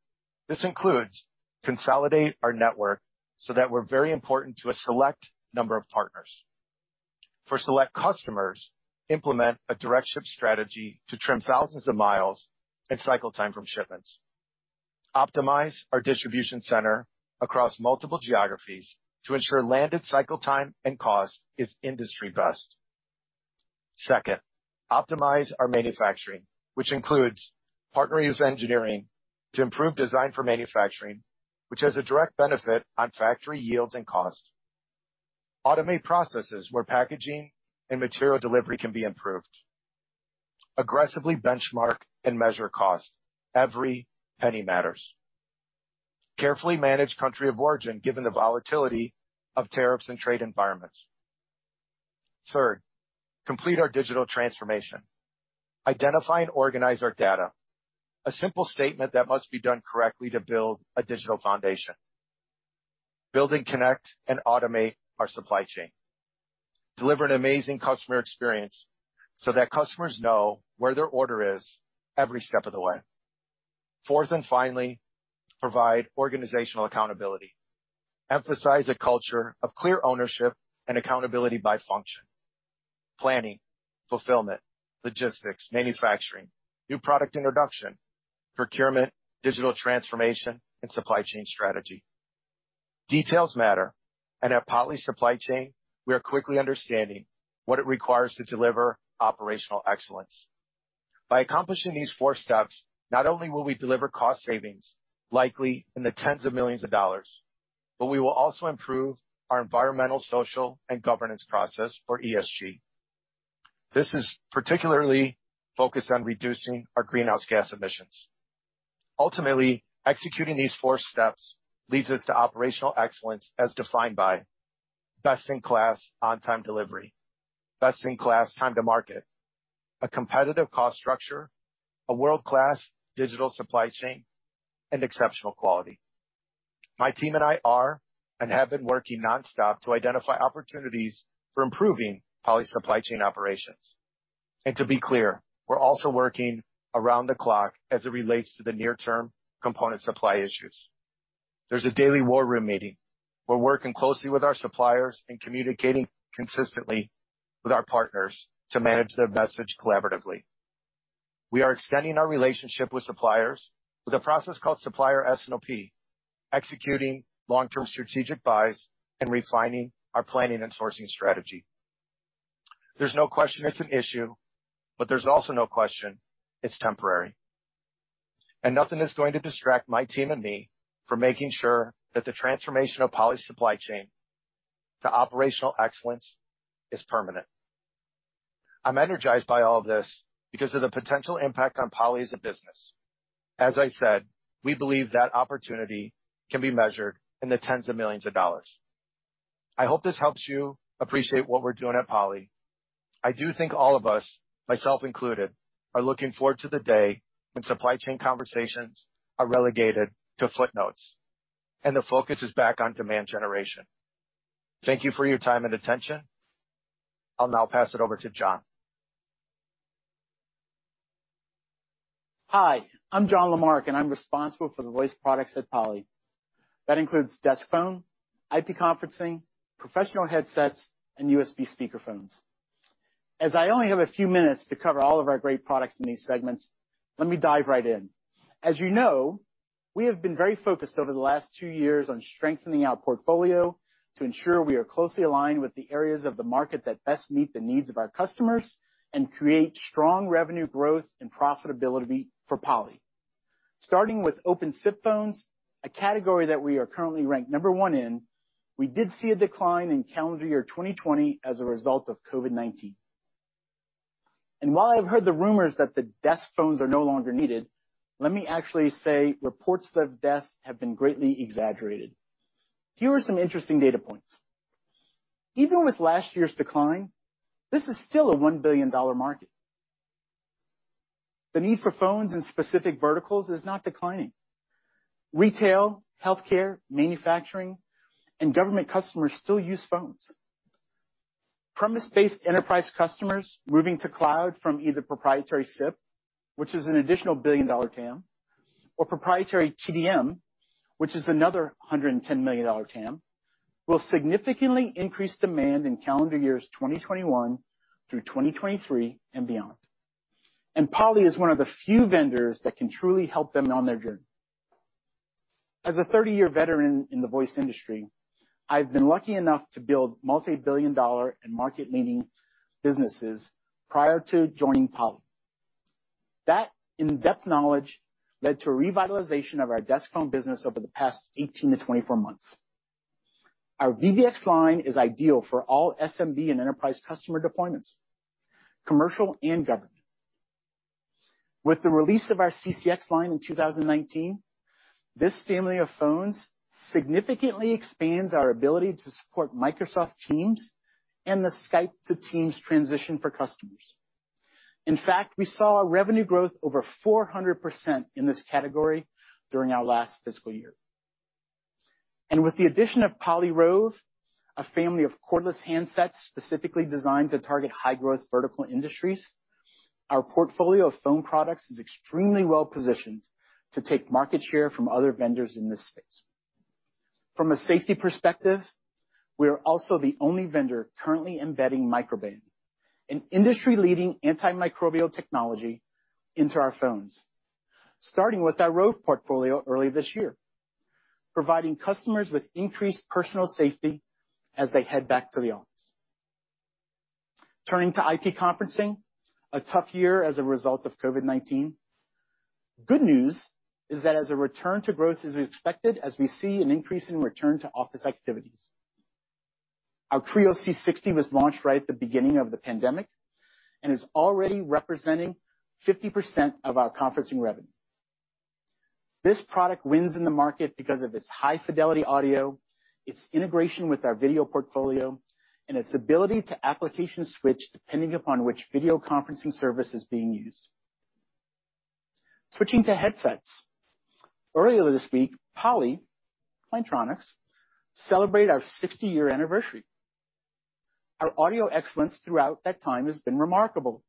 This includes consolidate our network so that we're very important to a select number of partners. For select customers, implement a direct ship strategy to trim thousands of miles and cycle time from shipments. Optimize our distribution center across multiple geographies to ensure landed cycle time and cost is industry best. Second, optimize our manufacturing, which includes partnering with engineering to improve design for manufacturing, which has a direct benefit on factory yield and cost. Automate processes where packaging and material delivery can be improved. Aggressively benchmark and measure cost. Every penny matters. Carefully manage country of origin given the volatility of tariffs and trade environments. Third, and finally, complete our digital transformation. Identify and organize our data. A simple statement that must be done correctly to build a digital foundation. Build and connect and automate our supply chain. Deliver an amazing customer experience so that customers know where their order is every step of the way. Fourth, and finally, provide organizational accountability. Emphasize a culture of clear ownership and accountability by function. Planning, fulfillment, logistics, manufacturing, new product introduction, procurement, digital transformation, and supply chain strategy. Details matter, and at Poly's supply chain, we are quickly understanding what it requires to deliver operational excellence. By accomplishing these four steps, not only will we deliver cost savings, likely in the tens of millions of dollars, but we will also improve our environmental, social, and governance process or ESG. This is particularly focused on reducing our greenhouse gas emissions. Ultimately, executing these four steps leads us to operational excellence as defined by best-in-class on-time delivery, best-in-class time to market, a competitive cost structure, a world-class digital supply chain, and exceptional quality. My team and I are and have been working nonstop to identify opportunities for improving Poly's supply chain operations. To be clear, we're also working around the clock as it relates to the near-term component supply issues. There's a daily war room meeting. We're working closely with our suppliers and communicating consistently with our partners to manage the message collaboratively. We are extending our relationship with suppliers with a process called supplier S&OP, executing long-term strategic buys, and refining our planning and sourcing strategy. There's no question it's an issue, but there's also no question it's temporary. Nothing is going to distract my team and me from making sure that the transformation of Poly's supply chain to operational excellence is permanent. I'm energized by all this because of the potential impact on Poly as a business. As I said, we believe that opportunity can be measured in the tens of millions of dollars. I hope this helps you appreciate what we're doing at Poly. I do think all of us, myself included, are looking forward to the day when supply chain conversations are relegated to footnotes and the focus is back on demand generation. Thank you for your time and attention. I'll now pass it over to John. Hi, I'm John Lamarque, and I'm responsible for the voice products at Poly. That includes desk phone, IP conferencing, professional headsets, and USB speakerphones. As I only have a few minutes to cover all of our great products in these segments, let me dive right in. As you know, we have been very focused over the last two years on strengthening our portfolio to ensure we are closely aligned with the areas of the market that best meet the needs of our customers and create strong revenue growth and profitability for Poly. Starting with open SIP phones, a category that we are currently ranked number one in, we did see a decline in calendar year 2020 as a result of COVID-19. While I've heard the rumors that the desk phones are no longer needed, let me actually say reports of death have been greatly exaggerated. Here are some interesting data points. Even with last year's decline, this is still a $1 billion market. The need for phones in specific verticals is not declining. Retail, healthcare, manufacturing, and government customers still use phones. Premise-based enterprise customers moving to cloud from either proprietary SIP, which is an additional $1 billion TAM, or proprietary TDM, which is another $110 million TAM, will significantly increase demand in calendar years 2021 through 2023 and beyond. Poly is one of the few vendors that can truly help them on their journey. As a 30-year veteran in the voice industry, I've been lucky enough to build multi-billion dollar and market-leading businesses prior to joining Poly. That in-depth knowledge led to revitalization of our desk phone business over the past 18 to 24 months. Our VVX line is ideal for all SMB and enterprise customer deployments, commercial and government. With the release of our CCX line in 2019, this family of phones significantly expands our ability to support Microsoft Teams and the Skype to Teams transition for customers. In fact, we saw a revenue growth over 400% in this category during our last fiscal year. With the addition of Poly Rove, a family of cordless handsets specifically designed to target high-growth vertical industries, our portfolio of phone products is extremely well-positioned to take market share from other vendors in this space. From a safety perspective, we are also the only vendor currently embedding Microban, an industry-leading antimicrobial technology into our phones, starting with our Rove portfolio early this year, providing customers with increased personal safety as they head back to the office. Turning to IT conferencing, a tough year as a result of COVID-19. Good news is that as a return to growth is expected as we see an increase in return to office activities. Our Poly Trio C60 was launched right at the beginning of the pandemic and is already representing 50% of our conferencing revenue. This product wins in the market because of its high fidelity audio, its integration with our video portfolio, and its ability to application switch depending upon which video conferencing service is being used. Switching to headsets. Earlier this week, Poly, Plantronics, celebrate our 60-year anniversary. Our audio excellence throughout that time has been remarkable.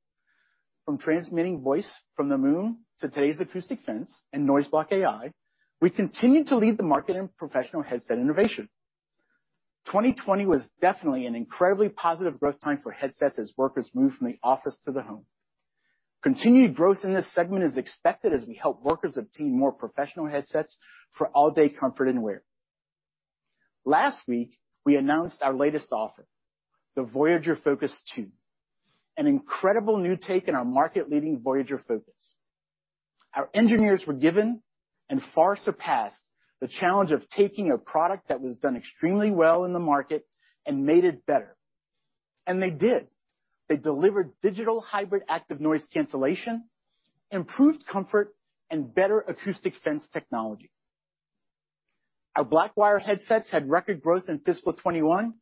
From transmitting voice from the moon to today's Acoustic Fence and NoiseBlockAI, we continue to lead the market in professional headset innovation. 2020 was definitely an incredibly positive growth time for headsets as workers moved from the office to the home. Continued growth in this segment is expected as we help workers obtain more professional headsets for all-day comfort and wear. Last week, we announced our latest offer, the Voyager Focus 2, an incredible new take on our market-leading Voyager Focus. Our engineers were given and far surpassed the challenge of taking a product that was done extremely well in the market and made it better. They did. They delivered digital hybrid active noise cancellation, improved comfort, and better Acoustic Fence technology. Our Blackwire headsets had record growth in fiscal 2021,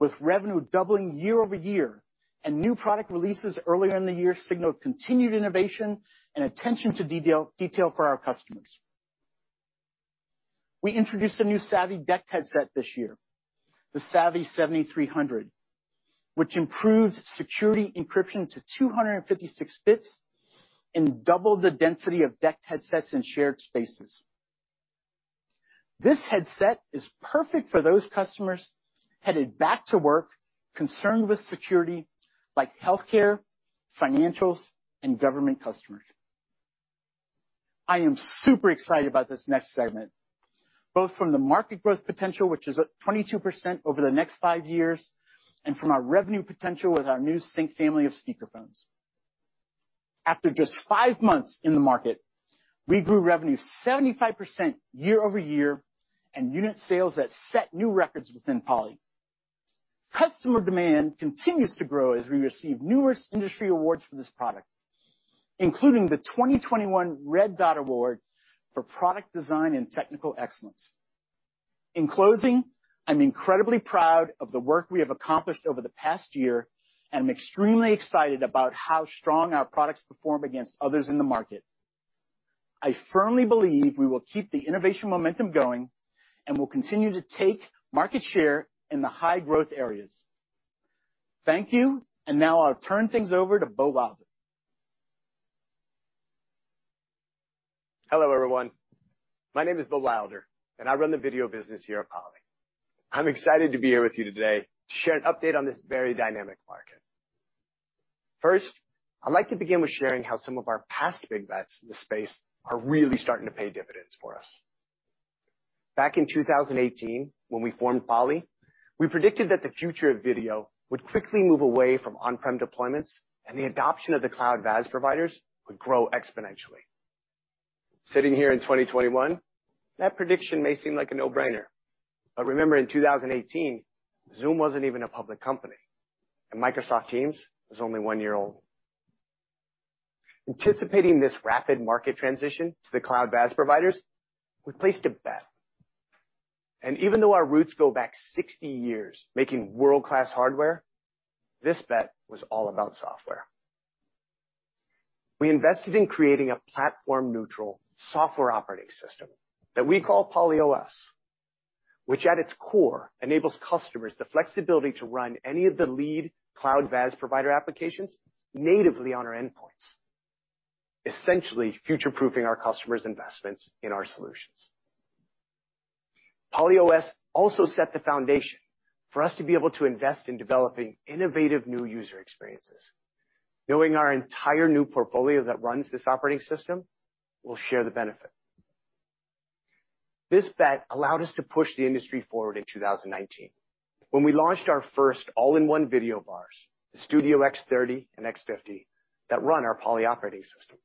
with revenue doubling year over year, and new product releases earlier in the year signal continued innovation and attention to detail for our customers. We introduced a new Savi DECT headset this year, the Savi 7300, which improves security encryption to 256 bits and double the density of DECT headsets in shared spaces. This headset is perfect for those customers headed back to work concerned with security, like healthcare, financials, and government customers. I am super excited about this next segment, both from the market growth potential, which is up 22% over the next five years, and from our revenue potential with our new Poly Sync family of speakerphones. After just five months in the market, we grew revenue 75% year over year and unit sales that set new records within Poly. Customer demand continues to grow as we receive numerous industry awards for this product, including the 2021 Red Dot Design Award for product design and technical excellence. In closing, I'm incredibly proud of the work we have accomplished over the past year and extremely excited about how strong our products perform against others in the market. I firmly believe we will keep the innovation momentum going and will continue to take market share in the high-growth areas. Thank you, and now I'll turn things over to Beau Wilder. Hello, everyone. My name is Beau Wilder, and I run the video business here at Poly. I'm excited to be here with you today to share an update on this very dynamic market. First, I'd like to begin with sharing how some of our past big bets in the space are really starting to pay dividends for us. Back in 2018, when we formed Poly, we predicted that the future of video would quickly move away from on-prem deployments and the adoption of the cloud VaaS providers would grow exponentially. Sitting here in 2021, that prediction may seem like a no-brainer. Remember, in 2018, Zoom wasn't even a public company, and Microsoft Teams was only one year old. Anticipating this rapid market transition to the cloud VaaS providers, we placed a bet. Even though our roots go back 60 years making world-class hardware, this bet was all about software. We invested in creating a platform-neutral software operating system that we call PolyOS, which at its core enables customers the flexibility to run any of the lead cloud VaaS provider applications natively on our endpoints, essentially future-proofing our customers' investments in our solutions. PolyOS also set the foundation for us to be able to invest in developing innovative new user experiences, knowing our entire new portfolio that runs this operating system will share the benefit. This bet allowed us to push the industry forward in 2019 when we launched our first all-in-one video bars, the Studio X30 and X50, that run our Poly operating system.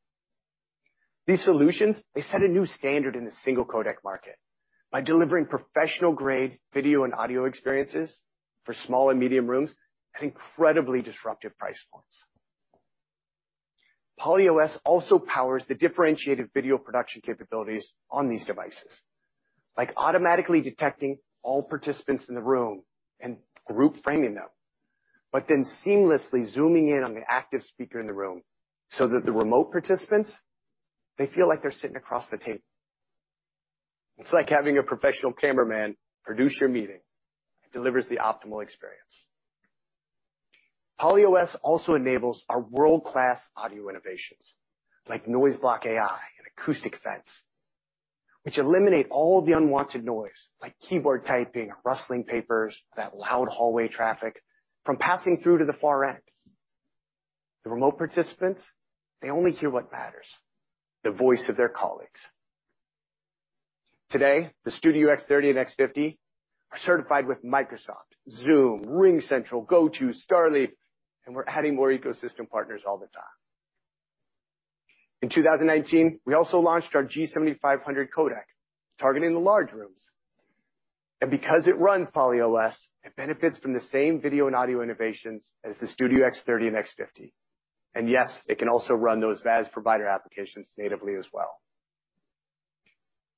These solutions, they set a new standard in the single codec market by delivering professional-grade video and audio experiences for small and medium rooms at incredibly disruptive price points. PolyOS also powers the differentiated video production capabilities on these devices, like automatically detecting all participants in the room and group framing them, but then seamlessly zooming in on the active speaker in the room so that the remote participants, they feel like they're sitting across the table. It's like having a professional cameraman produce your meeting. It delivers the optimal experience. Poly OS also enables our world-class audio innovations like NoiseBlockAI and Acoustic Fence, which eliminate all of the unwanted noise like keyboard typing, rustling papers, that loud hallway traffic from passing through to the far end. The remote participants, they only hear what matters, the voice of their colleagues. Today, the Poly Studio X30 and Poly Studio X50 are certified with Microsoft, Zoom, RingCentral, GoTo, StarLeaf, We're adding more ecosystem partners all the time. We also launched our Poly G7500 codec targeting the large rooms. Because it runs Poly OS, it benefits from the same video and audio innovations as the Poly Studio X30 and Poly Studio X50. Yes, it can also run those VaaS provider applications natively as well.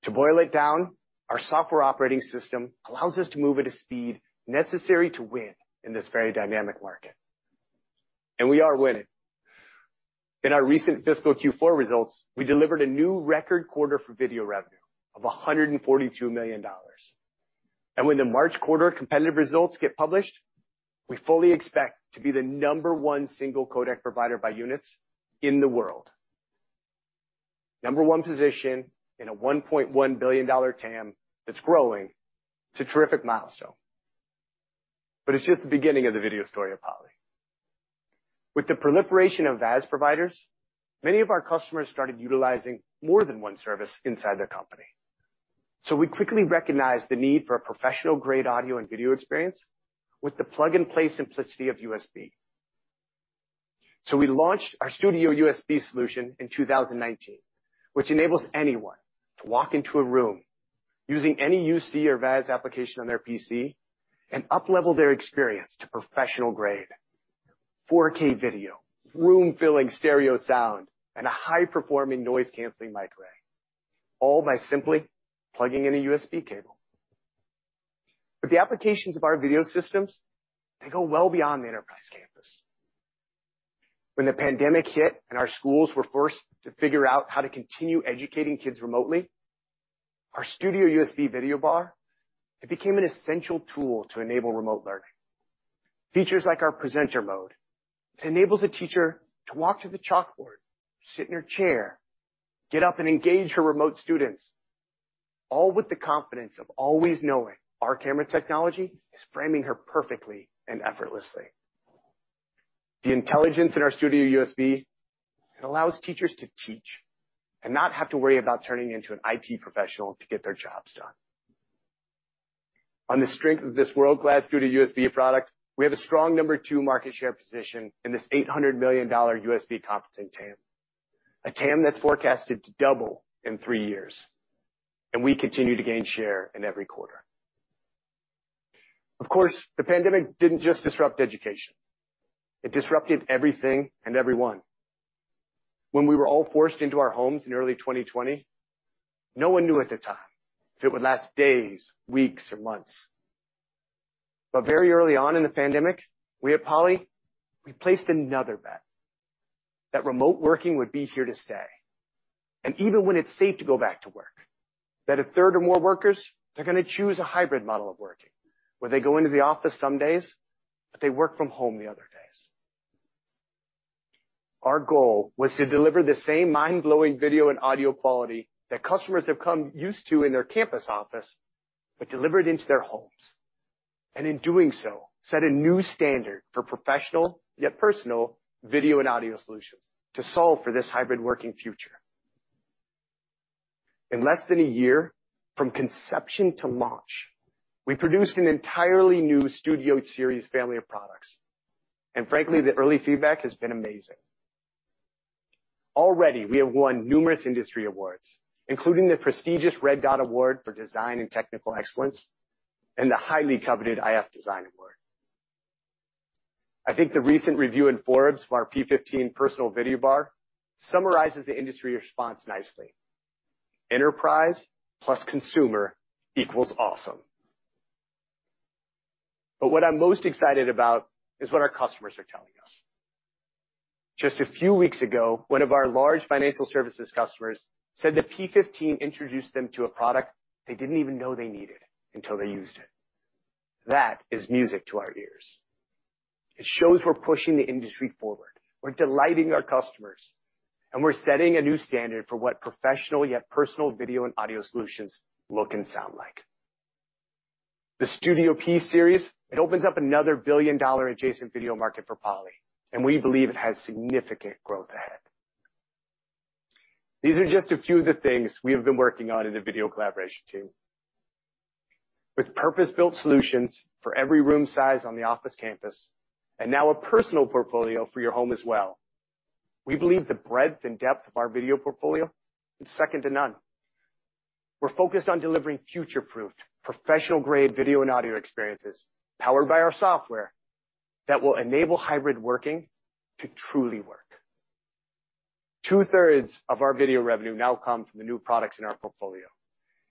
To boil it down, our software operating system allows us to move at a speed necessary to win in this very dynamic market. We are winning. In our recent fiscal Q4 results, we delivered a new record quarter for video revenue of $142 million. When the March quarter competitive results get published, we fully expect to be the number one single codec provider by units in the world. Number one position in a $1.1 billion TAM that's growing is a terrific milestone. It's just the beginning of the video story of Poly. With the proliferation of VaaS providers, many of our customers started utilizing more than one service inside their company. We quickly recognized the need for a professional-grade audio and video experience with the plug-and-play simplicity of USB. We launched our Studio USB solution in 2019, which enables anyone to walk into a room using any UC or VaaS application on their PC and up-level their experience to professional-grade 4K video, room-filling stereo sound, and a high-performing noise-canceling mic array, all by simply plugging in a USB cable. The applications of our video systems, they go well beyond the enterprise campus. When the pandemic hit and our schools were forced to figure out how to continue educating kids remotely, our Poly Studio video bar, it became an essential tool to enable remote learning. Features like our presenter mode enables a teacher to walk to the chalkboard, sit in her chair, get up and engage her remote students, all with the confidence of always knowing our camera technology is framing her perfectly and effortlessly. The intelligence in our Studio USB, it allows teachers to teach and not have to worry about turning into an IT professional to get their jobs done. On the strength of this world-class Studio USB product, we have a strong number two market share position in this $800 million USB conferencing TAM, a TAM that's forecasted to double in three years, and we continue to gain share in every quarter. Of course, the pandemic didn't just disrupt education. It disrupted everything and everyone. When we were all forced into our homes in early 2020, no one knew at the time if it would last days, weeks, or months. Very early on in the pandemic, we at Poly, we placed another bet, that remote working would be here to stay, and even when it's safe to go back to work, that a third or more workers are going to choose a hybrid model of working, where they go into the office some days, but they work from home the other days. Our goal was to deliver the same mind-blowing video and audio quality that customers have come used to in their campus office, but deliver it into their homes, and in doing so, set a new standard for professional yet personal video and audio solutions to solve for this hybrid working future. In less than a year, from conception to launch, we produced an entirely new Studio series family of products, and frankly, the early feedback has been amazing. Already, we have won numerous industry awards, including the prestigious Red Dot Design Award for design and technical excellence and the highly coveted iF Design Award. I think the recent review in Forbes of our P15 personal video bar summarizes the industry response nicely. Enterprise plus consumer equals awesome. What I'm most excited about is what our customers are telling us. Just a few weeks ago, one of our large financial services customers said the P15 introduced them to a product they didn't even know they needed until they used it. That is music to our ears. It shows we're pushing the industry forward. We're delighting our customers, and we're setting a new standard for what professional yet personal video and audio solutions look and sound like. The Poly Studio P Series, it opens up another billion-dollar adjacent video market for Poly, and we believe it has significant growth ahead. These are just a few of the things we have been working on in the video collaboration team. With purpose-built solutions for every room size on the office campus and now a personal portfolio for your home as well, we believe the breadth and depth of our video portfolio is second to none. We're focused on delivering future-proofed, professional-grade video and audio experiences powered by our software that will enable hybrid working to truly work. Two-thirds of our video revenue now comes from the new products in our portfolio,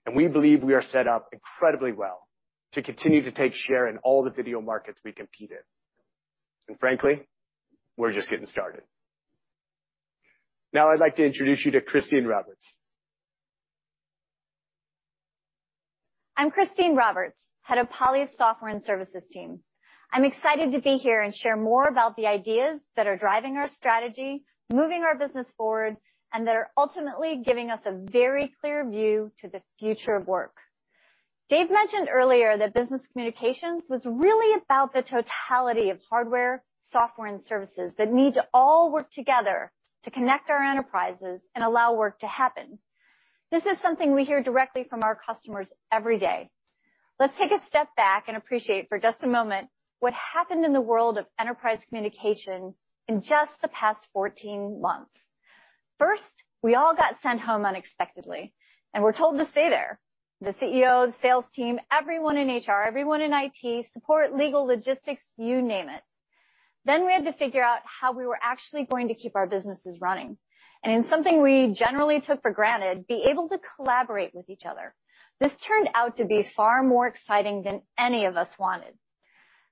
and we believe we are set up incredibly well to continue to take share in all the video markets we compete in. Frankly, we're just getting started. Now I'd like to introduce you to Christine Roberts. I'm Christine Roberts, head of Poly's software and services team. I'm excited to be here and share more about the ideas that are driving our strategy, moving our business forward, and that are ultimately giving us a very clear view to the future of work. Dave mentioned earlier that business communications is really about the totality of hardware, software, and services that need to all work together to connect our enterprises and allow work to happen. This is something we hear directly from our customers every day. Let's take a step back and appreciate for just a moment what happened in the world of enterprise communication in just the past 14 months. First, we all got sent home unexpectedly, and were told to stay there, the CEO, the sales team, everyone in HR, everyone in IT, support, legal, logistics, you name it. We had to figure out how we were actually going to keep our businesses running, and something we generally took for granted, be able to collaborate with each other. This turned out to be far more exciting than any of us wanted.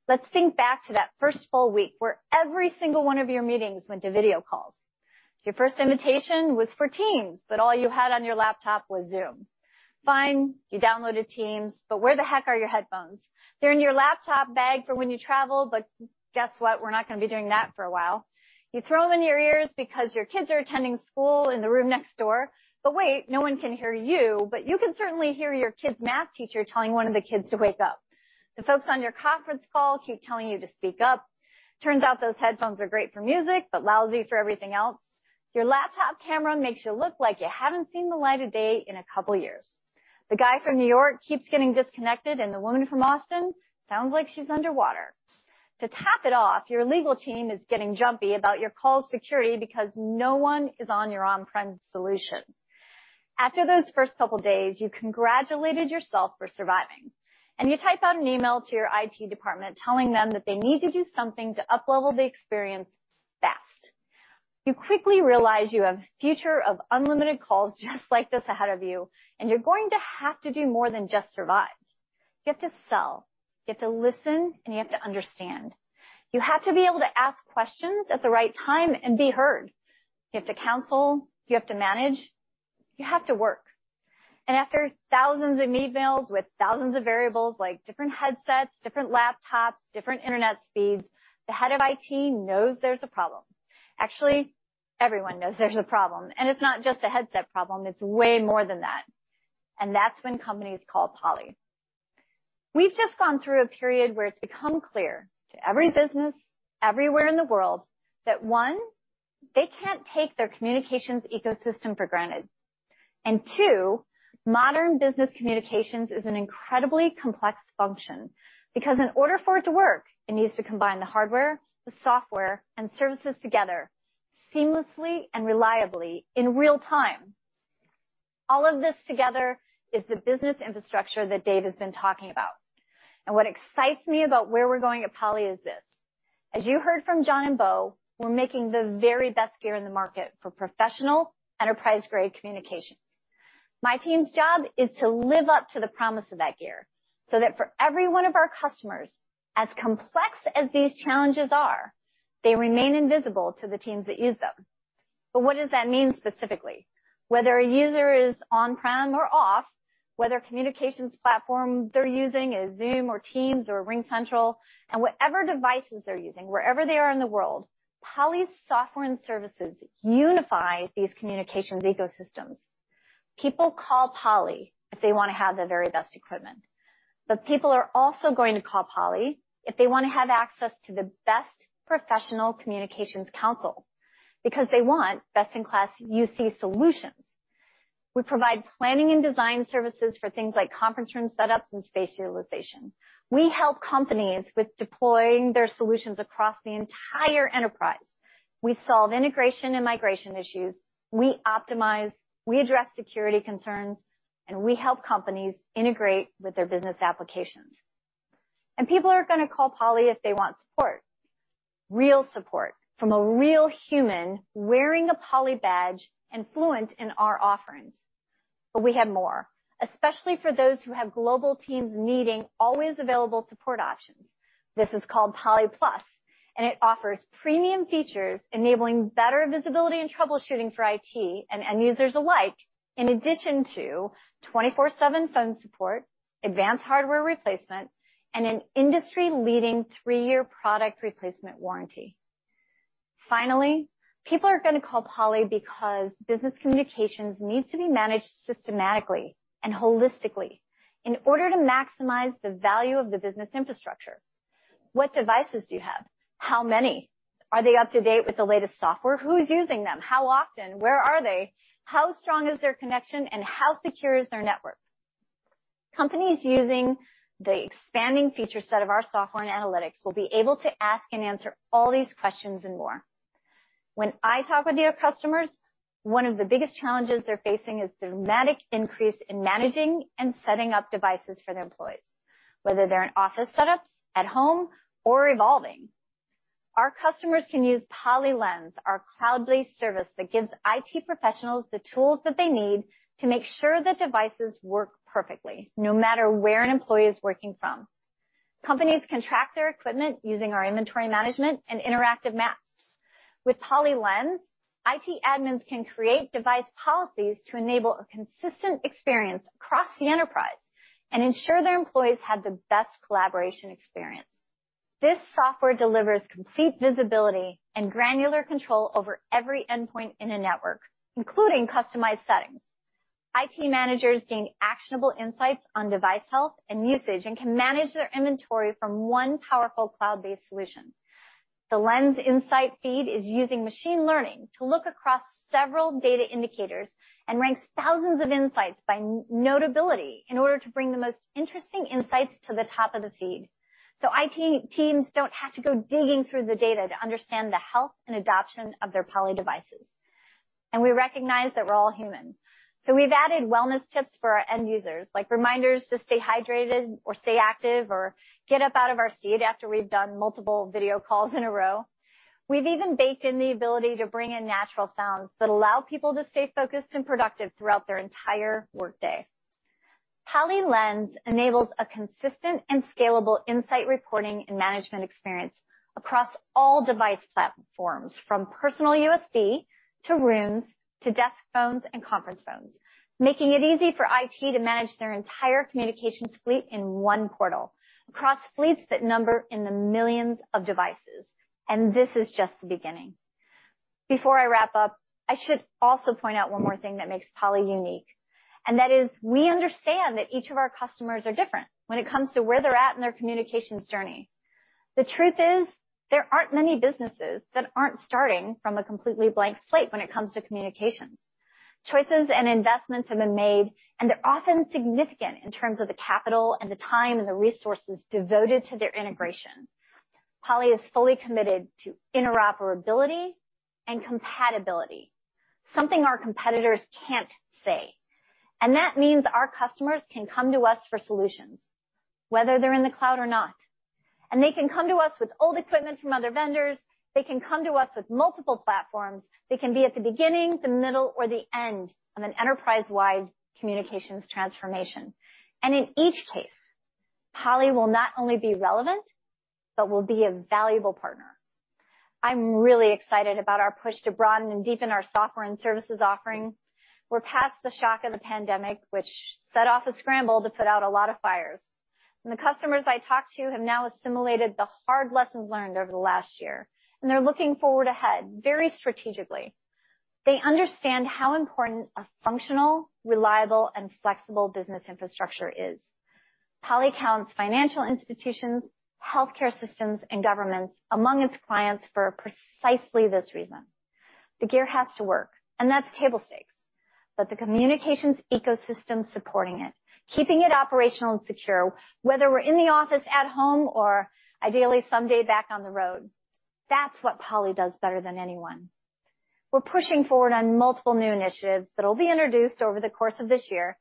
Let's think back to that first full week where every single one of your meetings went to video calls. Your first invitation was for Teams, but all you had on your laptop was Zoom. Fine, you downloaded Teams, but where the heck are your headphones? They're in your laptop bag for when you travel, but guess what? We're not going to be doing that for a while. You throw them in your ears because your kids are attending school in the room next door. Wait, no one can hear you, but you can certainly hear your kid's math teacher telling one of the kids to wake up. The folks on your conference call keep telling you to speak up. Turns out those headphones are great for music, but lousy for everything else. Your laptop camera makes you look like you haven't seen the light of day in a couple of years. The guy from New York keeps getting disconnected, and the woman from Austin sounds like she's underwater. To top it off, your legal team is getting jumpy about your call security because no one is on your on-premise solution. After those first couple of days, you congratulated yourself for surviving, you type out an email to your IT department telling them that they need to do something to up-level the experience fast. You quickly realize you have a future of unlimited calls just like this ahead of you're going to have to do more than just survive. You have to sell, you have to listen, you have to understand. You have to be able to ask questions at the right time and be heard. You have to counsel, you have to manage, you have to work. After thousands of emails with thousands of variables like different headsets, different laptops, different internet speeds, the head of IT knows there's a problem. Actually, everyone knows there's a problem, it's not just a headset problem, it's way more than that. That's when companies call Poly. We've just gone through a period where it's become clear to every business everywhere in the world that one, they can't take their communications ecosystem for granted, and two, modern business communications is an incredibly complex function because in order for it to work, it needs to combine the hardware, the software, and services together seamlessly and reliably in real-time. All of this together is the business infrastructure that Dave has been talking about. What excites me about where we're going at Poly is this. As you heard from John and Beau, we're making the very best gear in the market for professional, enterprise-grade communications. My team's job is to live up to the promise of that gear so that for every one of our customers, as complex as these challenges are, they remain invisible to the teams that use them. What does that mean specifically? Whether a user is on-prem or off, whether communications platform they're using is Zoom or Teams or RingCentral, and whatever devices they're using, wherever they are in the world, Poly's software and services unify these communications ecosystems. People call Poly if they want to have the very best equipment. People are also going to call Poly if they want to have access to the best professional communications counsel because they want best-in-class UC solutions. We provide planning and design services for things like conference room setups and space utilization. We help companies with deploying their solutions across the entire enterprise. We solve integration and migration issues. We optimize, we address security concerns, and we help companies integrate with their business applications. People are going to call Poly if they want support, real support from a real human wearing a Poly badge and fluent in our offerings. We have more, especially for those who have global teams needing always available support options. This is called Poly+ and it offers premium features enabling better visibility and troubleshooting for IT and end users alike in addition to 24/7 phone support, advanced hardware replacement, and an industry-leading three-year product replacement warranty. People are going to call Poly because business communications needs to be managed systematically and holistically in order to maximize the value of the business infrastructure. What devices do you have? How many? Are they up to date with the latest software? Who's using them? How often? Where are they? How strong is their connection, and how secure is their network? Companies using the expanding feature set of our software and analytics will be able to ask and answer all these questions and more. When I talk with your customers, one of the biggest challenges they're facing is dramatic increase in managing and setting up devices for their employees, whether they're in office setups, at home, or evolving. Our customers can use Poly Lens, our cloud-based service that gives IT professionals the tools that they need to make sure the devices work perfectly no matter where an employee is working from. Companies can track their equipment using our inventory management and interactive maps. With Poly Lens, IT admins can create device policies to enable a consistent experience across the enterprise and ensure their employees have the best collaboration experience. This software delivers complete visibility and granular control over every endpoint in a network, including customized settings. IT managers gain actionable insights on device health and usage and can manage their inventory from one powerful cloud-based solution. The Lens insight feed is using machine learning to look across several data indicators and ranks thousands of insights by notability in order to bring the most interesting insights to the top of the feed. IT teams don't have to go digging through the data to understand the health and adoption of their Poly devices. We recognize that we're all human, so we've added wellness tips for our end users, like reminders to stay hydrated or stay active or get up out of our seat after we've done multiple video calls in a row. We've even baked in the ability to bring in natural sounds that allow people to stay focused and productive throughout their entire workday. Poly Lens enables a consistent and scalable insight reporting and management experience across all device platforms, from personal USB to rooms to desk phones and conference phones, making it easy for IT to manage their entire communication suite in one portal across fleets that number in the millions of devices. This is just the beginning. Before I wrap up, I should also point out one more thing that makes Poly unique, and that is we understand that each of our customers are different when it comes to where they're at in their communications journey. The truth is, there aren't many businesses that aren't starting from a completely blank slate when it comes to communications. Choices and investments have been made, and they're often significant in terms of the capital and the time and the resources devoted to their integration. Poly is fully committed to interoperability and compatibility, something our competitors can't say. That means our customers can come to us for solutions whether they're in the cloud or not. They can come to us with old equipment from other vendors, they can come to us with multiple platforms, they can be at the beginning, the middle, or the end of an enterprise-wide communications transformation. In each case, Poly will not only be relevant, but we'll be a valuable partner. I'm really excited about our push to broaden and deepen our software and services offerings. We're past the shock of the pandemic, which set off a scramble to put out a lot of fires. The customers I talk to have now assimilated the hard lessons learned over the last year, and they're looking forward ahead very strategically. They understand how important a functional, reliable, and flexible business infrastructure is. Poly counts financial institutions, healthcare systems, and governments among its clients for precisely this reason. The gear has to work, that's table stakes. The communications ecosystem supporting it, keeping it operational and secure, whether we're in the office, at home, or ideally someday back on the road, that's what Poly does better than anyone. We're pushing forward on multiple new initiatives that'll be introduced over the course of this year,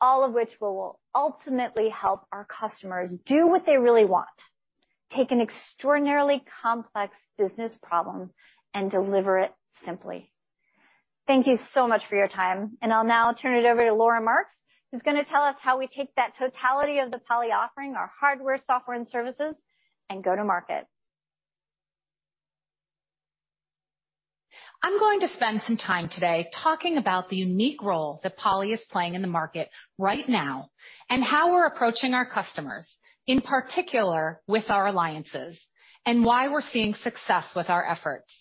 all of which will ultimately help our customers do what they really want, take an extraordinarily complex business problem and deliver it simply. Thank you so much for your time, I'll now turn it over to Laura Marx, who's going to tell us how we take that totality of the Poly offering, our hardware, software, and services, and go to market. I'm going to spend some time today talking about the unique role that Poly is playing in the market right now and how we're approaching our customers, in particular with our alliances, and why we're seeing success with our efforts.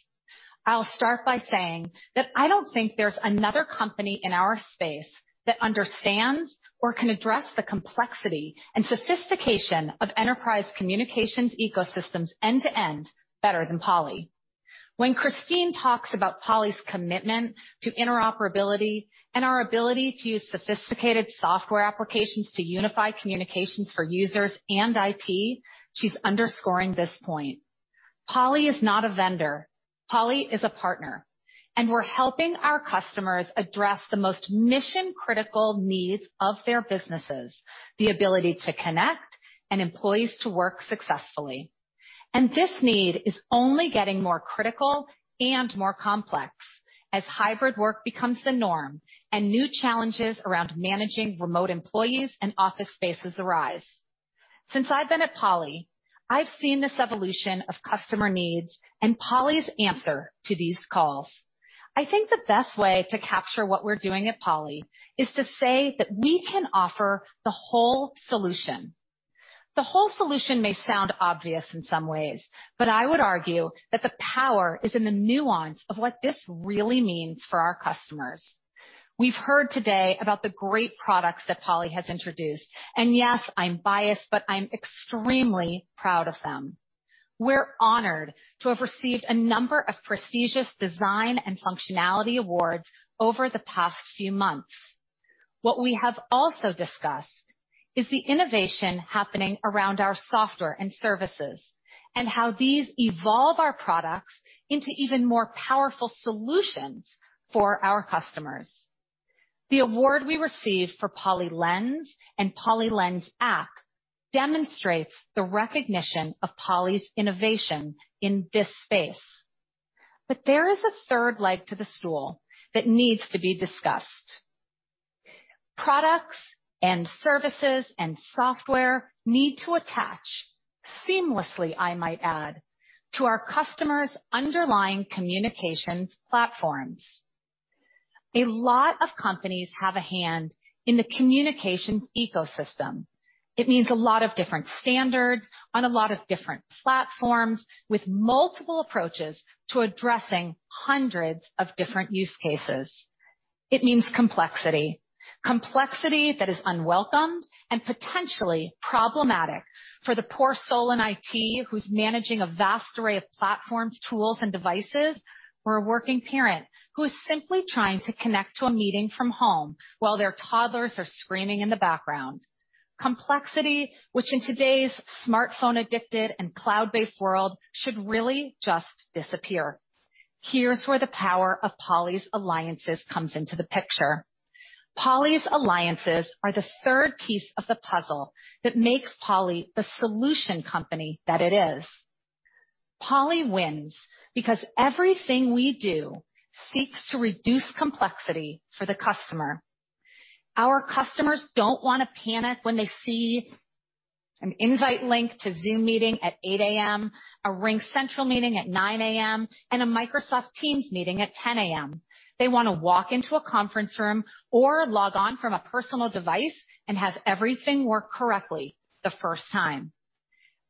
I'll start by saying that I don't think there's another company in our space that understands or can address the complexity and sophistication of enterprise communications ecosystems end to end better than Poly. When Christine talks about Poly's commitment to interoperability and our ability to use sophisticated software applications to unify communications for users and IT, she's underscoring this point. Poly is not a vendor. Poly is a partner, and we're helping our customers address the most mission-critical needs of their businesses, the ability to connect and employees to work successfully. This need is only getting more critical and more complex as hybrid work becomes the norm and new challenges around managing remote employees and office spaces arise. Since I've been at Poly, I've seen this evolution of customer needs and Poly's answer to these calls. I think the best way to capture what we're doing at Poly is to say that we can offer the whole solution. The whole solution may sound obvious in some ways, but I would argue that the power is in the nuance of what this really means for our customers. We've heard today about the great products that Poly has introduced, and yes, I'm biased, but I'm extremely proud of them. We're honored to have received a number of prestigious design and functionality awards over the past few months. What we have also discussed is the innovation happening around our software and services and how these evolve our products into even more powerful solutions for our customers. The award we received for Poly Lens and Poly Lens App demonstrates the recognition of Poly's innovation in this space. There is a third leg to the stool that needs to be discussed Products and services and software need to attach seamlessly, I might add, to our customers' underlying communications platforms. A lot of companies have a hand in the communications ecosystem. It means a lot of different standards on a lot of different platforms with multiple approaches to addressing hundreds of different use cases. It means complexity that is unwelcome and potentially problematic for the poor soul in IT who's managing a vast array of platforms, tools, and devices, or a working parent who is simply trying to connect to a meeting from home while their toddlers are screaming in the background. Complexity, which in today's smartphone-addicted and cloud-based world, should really just disappear. Here's where the power of Poly's alliances comes into the picture. Poly's alliances are the third piece of the puzzle that makes Poly the solution company that it is. Poly wins because everything we do seeks to reduce complexity for the customer. Our customers don't want to panic when they see an invite link to a Zoom meeting at 8:00 A.M., a RingCentral meeting at 9:00 A.M., and a Microsoft Teams meeting at 10:00 A.M. They want to walk into a conference room or log on from a personal device and have everything work correctly the first time.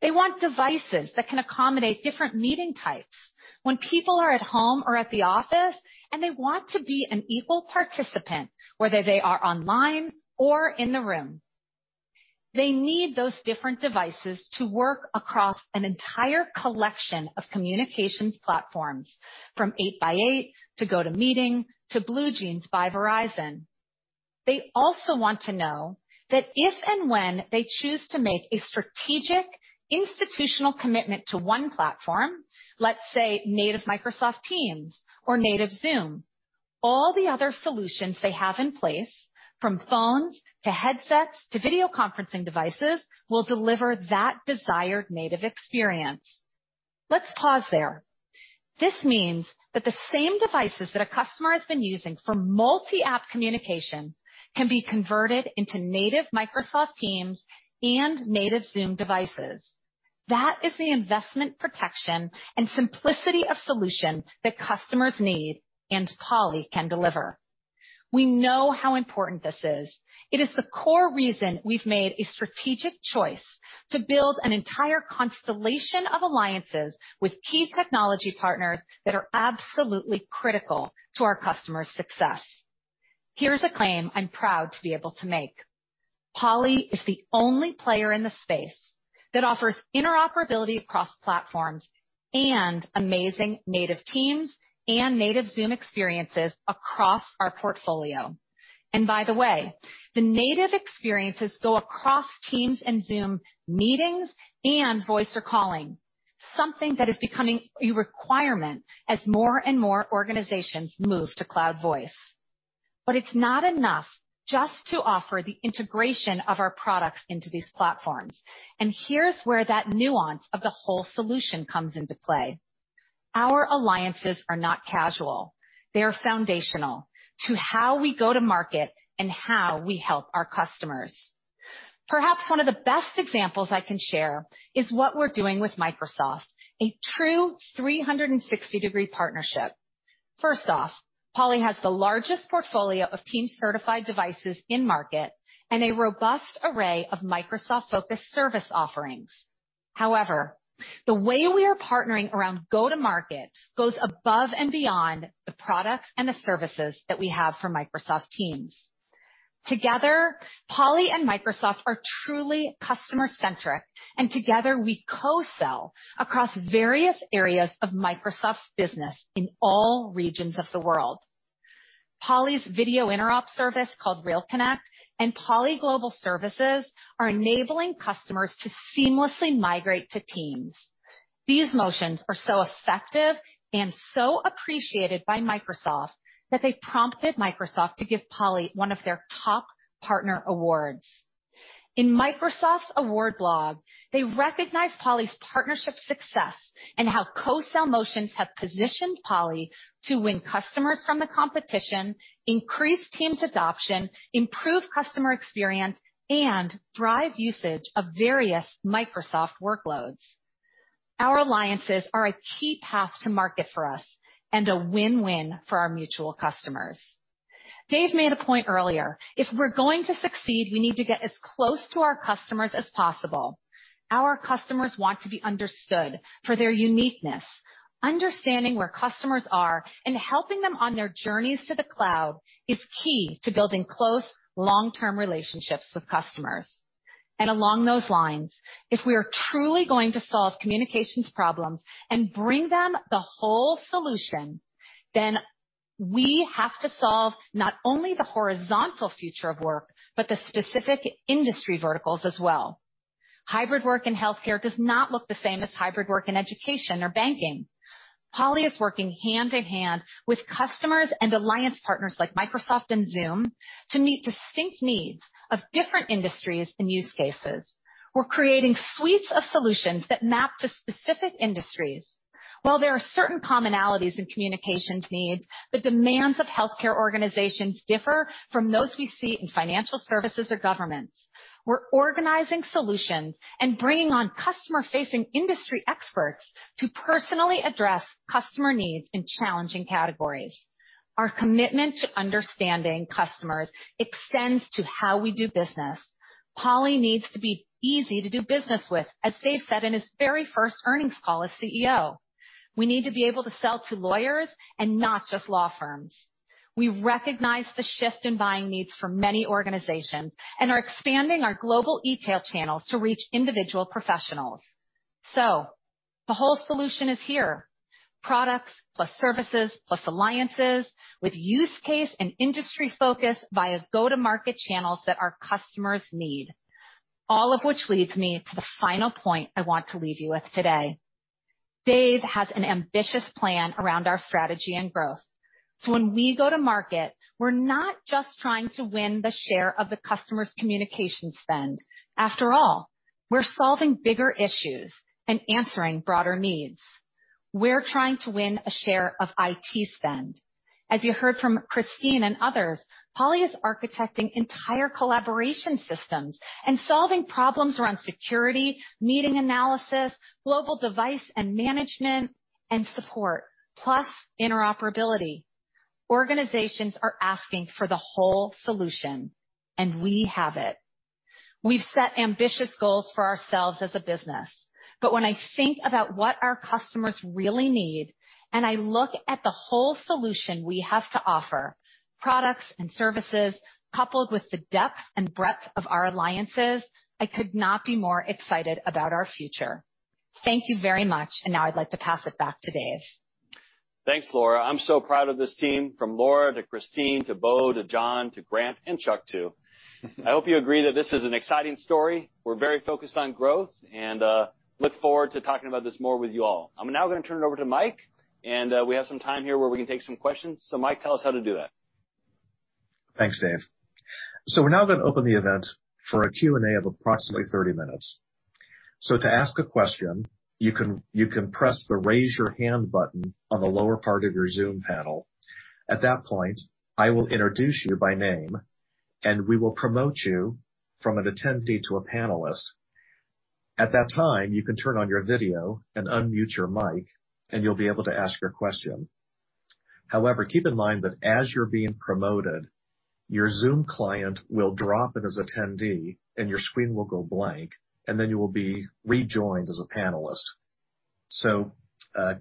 They want devices that can accommodate different meeting types when people are at home or at the office, and they want to be an equal participant, whether they are online or in the room. They need those different devices to work across an entire collection of communications platforms, from 8x8 to GoTo Meeting to BlueJeans by Verizon. They also want to know that if and when they choose to make a strategic institutional commitment to one platform, let's say native Microsoft Teams or native Zoom, all the other solutions they have in place, from phones to headsets to video conferencing devices, will deliver that desired native experience. Let's pause there. This means that the same devices that a customer has been using for multi-app communication can be converted into native Microsoft Teams and native Zoom devices. That is the investment protection and simplicity of solution that customers need and Poly can deliver. We know how important this is. It is the core reason we've made a strategic choice to build an entire constellation of alliances with key technology partners that are absolutely critical to our customers' success. Here's a claim I'm proud to be able to make. Poly is the only player in the space that offers interoperability across platforms and amazing native Teams and native Zoom experiences across our portfolio. By the way, the native experiences go across Teams and Zoom meetings and voice or calling, something that is becoming a requirement as more and more organizations move to cloud voice. It's not enough just to offer the integration of our products into these platforms. Here's where that nuance of the whole solution comes into play. Our alliances are not casual. They are foundational to how we go to market and how we help our customers. Perhaps one of the best examples I can share is what we're doing with Microsoft, a true 360-degree partnership. First off, Poly has the largest portfolio of Teams-certified devices in-market and a robust array of Microsoft-focused service offerings. However, the way we are partnering around go-to-market goes above and beyond the products and the services that we have for Microsoft Teams. Together, Poly and Microsoft are truly customer-centric, and together we co-sell across various areas of Microsoft's business in all regions of the world. Poly's video interop service called RealConnect and Poly Global Services are enabling customers to seamlessly migrate to Teams. These motions were so effective and so appreciated by Microsoft that they prompted Microsoft to give Poly one of their top partner awards. In Microsoft's award blog, they recognized Poly's partnership success and how co-sell motions have positioned Poly to win customers from the competition, increase Teams adoption, improve customer experience, and drive usage of various Microsoft workloads. Our alliances are a key path to market for us and a win-win for our mutual customers. Dave made a point earlier. If we're going to succeed, we need to get as close to our customers as possible. Our customers want to be understood for their uniqueness. Understanding where customers are and helping them on their journeys to the cloud is key to building close, long-term relationships with customers. Along those lines, if we are truly going to solve communications problems and bring them the whole solution, then we have to solve not only the horizontal future of work, but the specific industry verticals as well. Hybrid work in healthcare does not look the same as hybrid work in education or banking. Poly is working hand-in-hand with customers and alliance partners like Microsoft and Zoom to meet distinct needs of different industries and use cases. We're creating suites of solutions that map to specific industries. While there are certain commonalities in communications needs, the demands of healthcare organizations differ from those we see in financial services or governments. We're organizing solutions and bringing on customer-facing industry experts to personally address customer needs in challenging categories. Our commitment to understanding customers extends to how we do business. Poly needs to be easy to do business with, as Dave said in his very first earnings call as CEO. We need to be able to sell to lawyers and not just law firms. We recognize the shift in buying needs for many organizations and are expanding our global e-tail channels to reach individual professionals. The whole solution is here. Products plus services, plus alliances with use case and industry focus via go-to-market channels that our customers need. All of which leads me to the final point I want to leave you with today. Dave has an ambitious plan around our strategy and growth. When we go to market, we're not just trying to win the share of the customer's communication spend. After all, we're solving bigger issues and answering broader needs. We're trying to win a share of IT spend. As you heard from Christine and others, Poly is architecting entire collaboration systems and solving problems around security, meeting analysis, global device and management, and support, plus interoperability. Organizations are asking for the whole solution, and we have it. We set ambitious goals for ourselves as a business, but when I think about what our customers really need, and I look at the whole solution we have to offer, products and services coupled with the depth and breadth of our alliances, I could not be more excited about our future. Thank you very much, and now I'd like to pass it back to Dave. Thanks, Laura. I'm so proud of this team, from Laura to Christine to Beau to John to Grant and Chuck too. I hope you agree that this is an exciting story. We're very focused on growth and look forward to talking about this more with you all. I'm now going to turn it over to Mike, and we have some time here where we can take some questions. Mike, tell us how to do that. Thanks, Dave. We're now going to open the event for a Q&A of approximately 30 minutes. To ask a question, you can press the Raise Your Hand button on the lower part of your Zoom panel. At that point, I will introduce you by name, and we will promote you from an attendee to a panelist. At that time, you can turn on your video and unmute your mic, and you'll be able to ask your question. However, keep in mind that as you're being promoted, your Zoom client will drop as attendee and your screen will go blank, and then you will be rejoined as a panelist.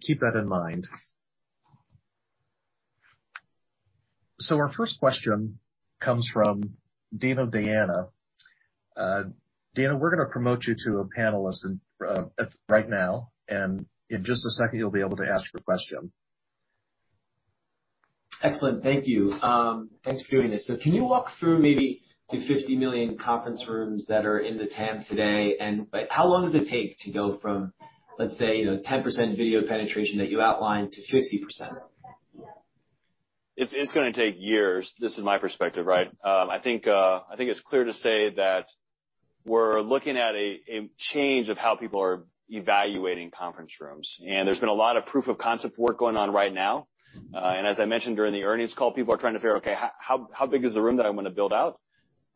Keep that in mind. Our first question comes from Dino Diana. Dino, we're going to promote you to a panelist right now, and in just a second, you'll be able to ask your question. Excellent. Thank you. Thanks for doing this. Can you walk through maybe the 50 million conference rooms that are in the TAM today, and how long does it take to go from, let's say, 10% video penetration that you outlined to 50%? It's going to take years. This is my perspective, right? I think it's clear to say that we're looking at a change of how people are evaluating conference rooms, there's been a lot of proof of concept work going on right now. As I mentioned during the earnings call, people are trying to figure out, "Okay, how big is the room that I'm going to build out?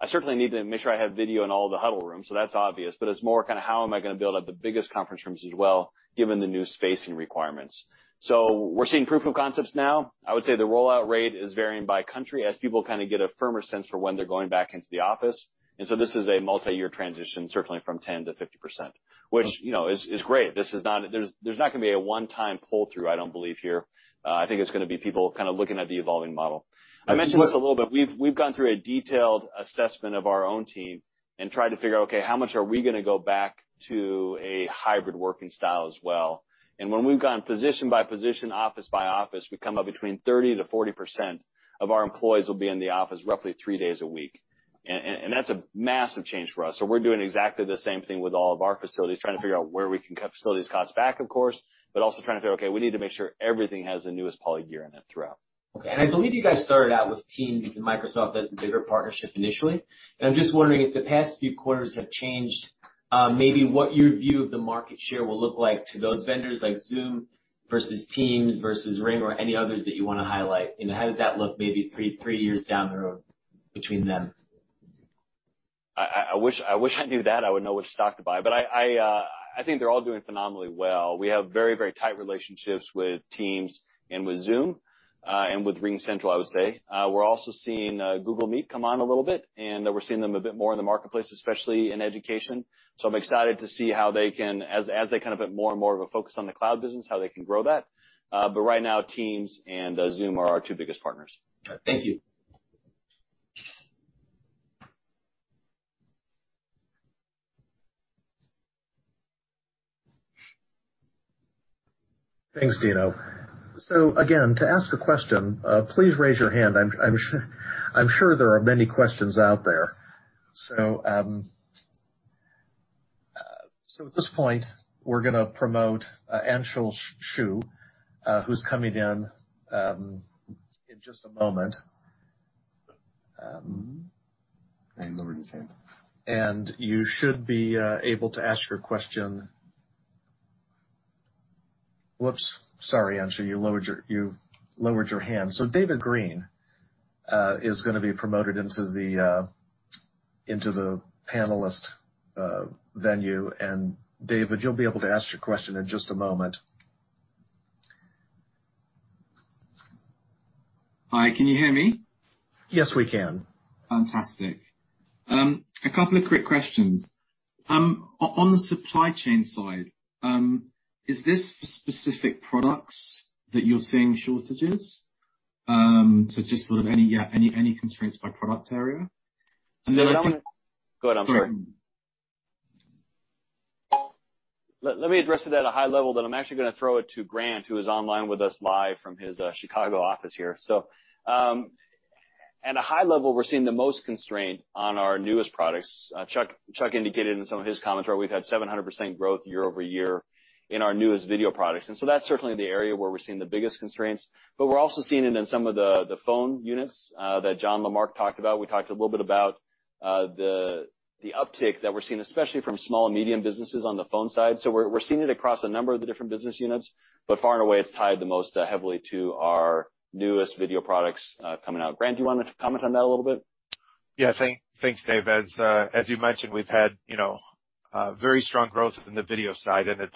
I certainly need to make sure I have video in all the huddle rooms, so that's obvious, but it's more how am I going to build out the biggest conference rooms as well, given the new spacing requirements?" We're seeing proof of concepts now. I would say the rollout rate is varying by country as people get a firmer sense for when they're going back into the office. This is a multi-year transition, certainly from 10% to 50%, which is great. There's not going to be a one-time pull-through, I don't believe here. I think it's going to be people looking at the evolving model. I mentioned this a little bit. We've gone through a detailed assessment of our own team and tried to figure out, okay, how much are we going to go back to a hybrid working style as well? When we've gone position by position, office by office, we come up between 30% to 40% of our employees will be in the office roughly three days a week. That's a massive change for us. We're doing exactly the same thing with all of our facilities, trying to figure out where we can cut facilities costs back, of course, but also trying to, we need to make sure everything has the newest Poly gear in it throughout. Okay. I believe you guys started out with Teams and Microsoft as the bigger partnership initially. I'm just wondering if the past few quarters have changed maybe what your view of the market share will look like to those vendors like Zoom versus Teams versus Ring or any others that you want to highlight. How does that look maybe three years down the road between them? I wish I knew that. I would know which stock to buy. I think they're all doing phenomenally well. We have very tight relationships with Teams and with Zoom, and with RingCentral, I would say. We're also seeing Google Meet come on a little bit, and we're seeing them a bit more in the marketplace, especially in education. I'm excited to see how they can, as they put more and more of a focus on the cloud business, how they can grow that. Right now, Teams and Zoom are our two biggest partners. Thank you. Thanks, Dino. Again, to ask a question, please raise your hand. I'm sure there are many questions out there. At this point, we're going to promote Anshul Sahu, who's coming in just a moment. He lowered his hand. You should be able to ask your question. Whoops, sorry, Anshul, you've lowered your hand. David Green is going to be promoted into the panelist venue. David, you'll be able to ask your question in just a moment. Hi, can you hear me? Yes, we can. Fantastic. A couple of quick questions. On the supply chain side, is this for specific products that you're seeing shortages? Just any constraints by product area? Go ahead. Sorry. Let me address it at a high level. I'm actually going to throw it to Grant, who is online with us live from his Chicago office here. At a high level, we're seeing the most constraint on our newest products. Chuck indicated in some of his comments where we've had 700% growth year-over-year in our newest video products. That's certainly the area where we're seeing the biggest constraints, but we're also seeing it in some of the phone units that John Lamarque talked about. We talked a little bit about the uptick that we're seeing, especially from small and medium businesses on the phone side. We're seeing it across a number of the different business units, but far and away, it's tied the most heavily to our newest video products coming out. Grant, do you want to comment on that a little bit? Yeah. Thanks, Dave. As you mentioned, we've had very strong growth in the video side, and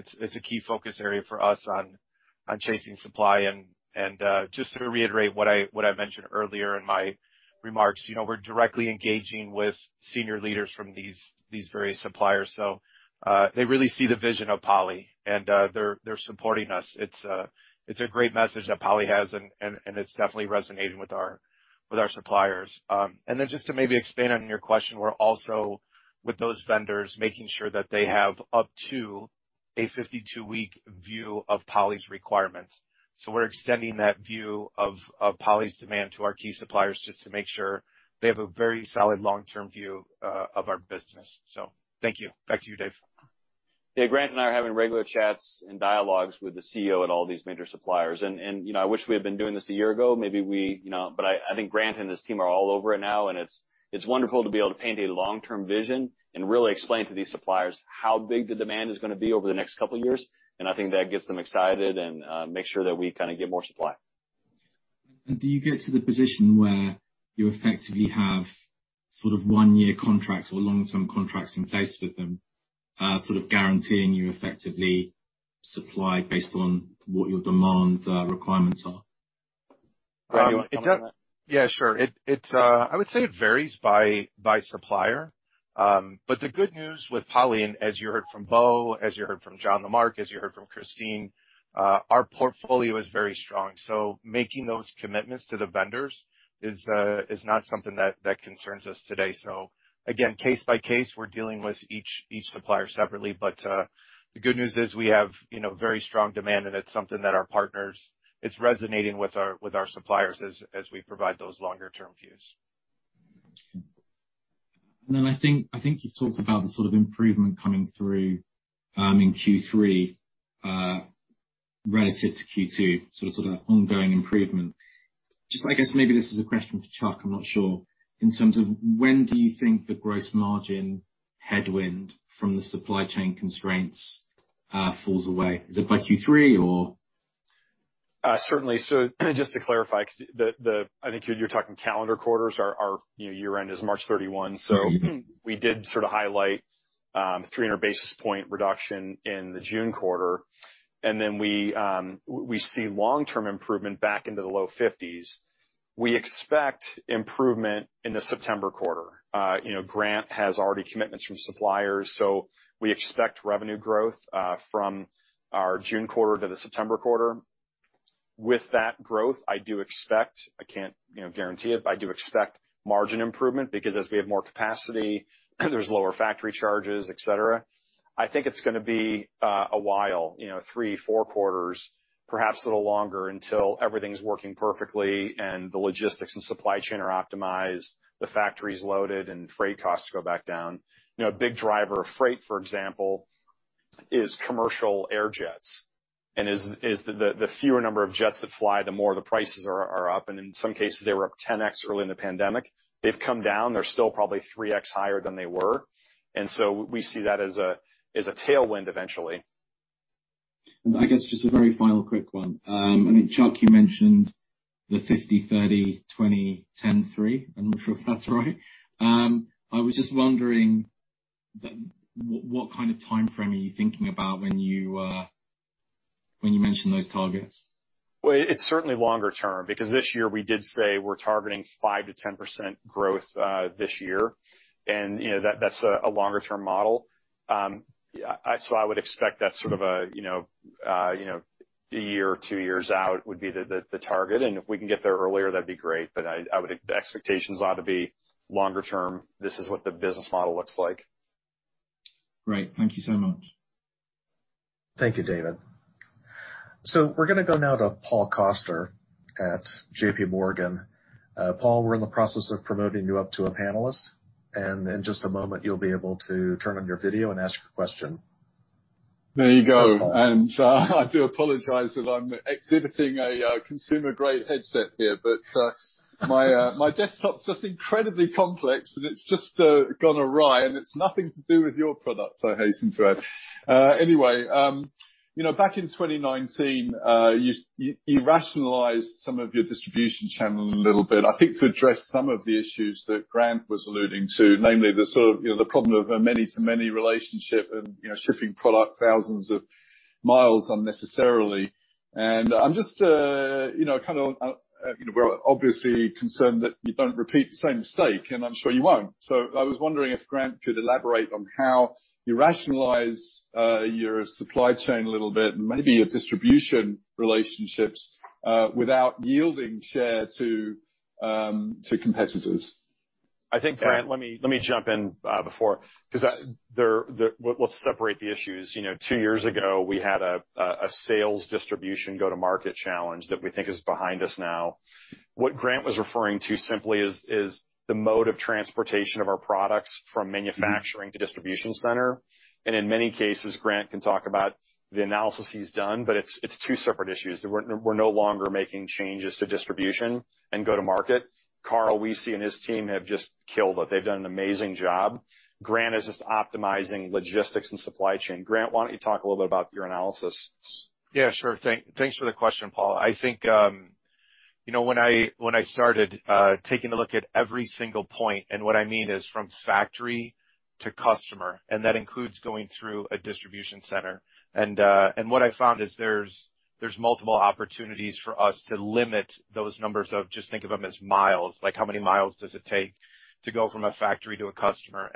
it's a key focus area for us on chasing supply. Just to reiterate what I mentioned earlier in my remarks, we're directly engaging with senior leaders from these various suppliers. They really see the vision of Poly and they're supporting us. It's a great message that Poly has, and it's definitely resonating with our suppliers. Just to maybe expand on your question, we're also, with those vendors, making sure that they have up to a 52-week view of Poly's requirements. We're extending that view of Poly's demand to our key suppliers just to make sure they have a very solid long-term view of our business. Thank you. Back to you, Dave. Yeah, Grant Hoffman and I are having regular chats and dialogues with the CEO at all these major suppliers, and I wish we had been doing this a year ago. I think Grant Hoffman and his team are all over it now, and it's wonderful to be able to paint a long-term vision and really explain to these suppliers how big the demand is going to be over the next couple of years. I think that gets them excited and makes sure that we kind of get more supply. Do you get to the position where you effectively have sort of one-year contracts or long-term contracts in place with them, sort of guaranteeing you effectively supply based on what your demand requirements are? Yeah, sure. I would say it varies by supplier. The good news with Poly, and as you heard from Beau, as you heard from John Lamarque, as you heard from Christine, our portfolio is very strong. Making those commitments to the vendors is not something that concerns us today. Again, case by case, we're dealing with each supplier separately. The good news is we have very strong demand, and it's resonating with our suppliers as we provide those longer-term views. I think you talked about the sort of improvement coming through in Q3 relative to Q2, so sort of ongoing improvement. Just I guess maybe this is a question for Chuck, I'm not sure. In terms of when do you think the gross margin headwind from the supply chain constraints falls away? Is it by Q3 or? Certainly. Just to clarify, I think you're talking calendar quarters. Our year end is March 31. So we did sort of highlight a 300 basis point reduction in the June quarter. And then we see long-term improvement back into the low 50s. We expect improvement in the September quarter. Grant has already commitments from suppliers. With that growth, I do expect, I can't guarantee it, but I do expect margin improvement because as we have more capacity, there's lower factory charges, et cetera. I think it's going to be a while, three, four quarters, perhaps a little longer, until everything's working perfectly and the logistics and supply chain are optimized, the factory's loaded, and freight costs go back down. A big driver of freight, for example, is commercial air jets, and the fewer number of jets that fly, the more the prices are up. In some cases, they were up 10x early in the pandemic. They've come down. They're still probably 3x higher than they were. We see that as a tailwind eventually. I guess just a very final quick one. I mean, Chuck, you mentioned the 50, 30, 20, 10, 3. I'm not sure if that's right. I was just wondering what kind of timeframe are you thinking about when you mention those targets? Well, it's certainly longer term, because this year we did say we're targeting 5%-10% growth this year, and that's a longer-term model. I would expect that's sort of a year or two years out would be the target, and if we can get there earlier, that'd be great. The expectations ought to be longer term. This is what the business model looks like. Great. Thank you so much. Thank you, David. We're going to go now to Paul Coster at JPMorgan. Paul, we're in the process of promoting you up to a panelist, and in just a moment, you'll be able to turn on your video and ask your question. There you go. I do apologize that I'm exhibiting a consumer-grade headset here, but my desktop's just incredibly complex, and it's just gone awry, and it's nothing to do with your product, I hasten to add. Back in 2019, you rationalized some of your distribution channel a little bit, I think, to address some of the issues that Grant was alluding to, namely the sort of the problem of a many-to-many relationship and shipping product thousands of miles unnecessarily. I'm just obviously concerned that you don't repeat the same mistake, and I'm sure you won't. I was wondering if Grant could elaborate on how you rationalize your supply chain a little bit, and maybe your distribution relationships without yielding share to competitors. I think, Grant, let me jump in before, because let's separate the issues. Two years ago, we had a sales distribution go-to-market challenge that we think is behind us now. What Grant was referring to simply is the mode of transportation of our products from manufacturing to distribution center. In many cases, Grant can talk about the analysis he's done, but it's two separate issues. We're no longer making changes to distribution and go-to-market. Carl Wiese and his team have just killed it. They've done an amazing job. Grant is just optimizing logistics and supply chain. Grant, why don't you talk a little bit about your analysis? Yeah, sure. Thanks for the question, Paul. I think when I started taking a look at every single point, I mean from factory to customer, that includes going through a distribution center. What I found is there's multiple opportunities for us to limit those numbers of just think of them as miles. Like how many miles does it take to go from a factory to a customer?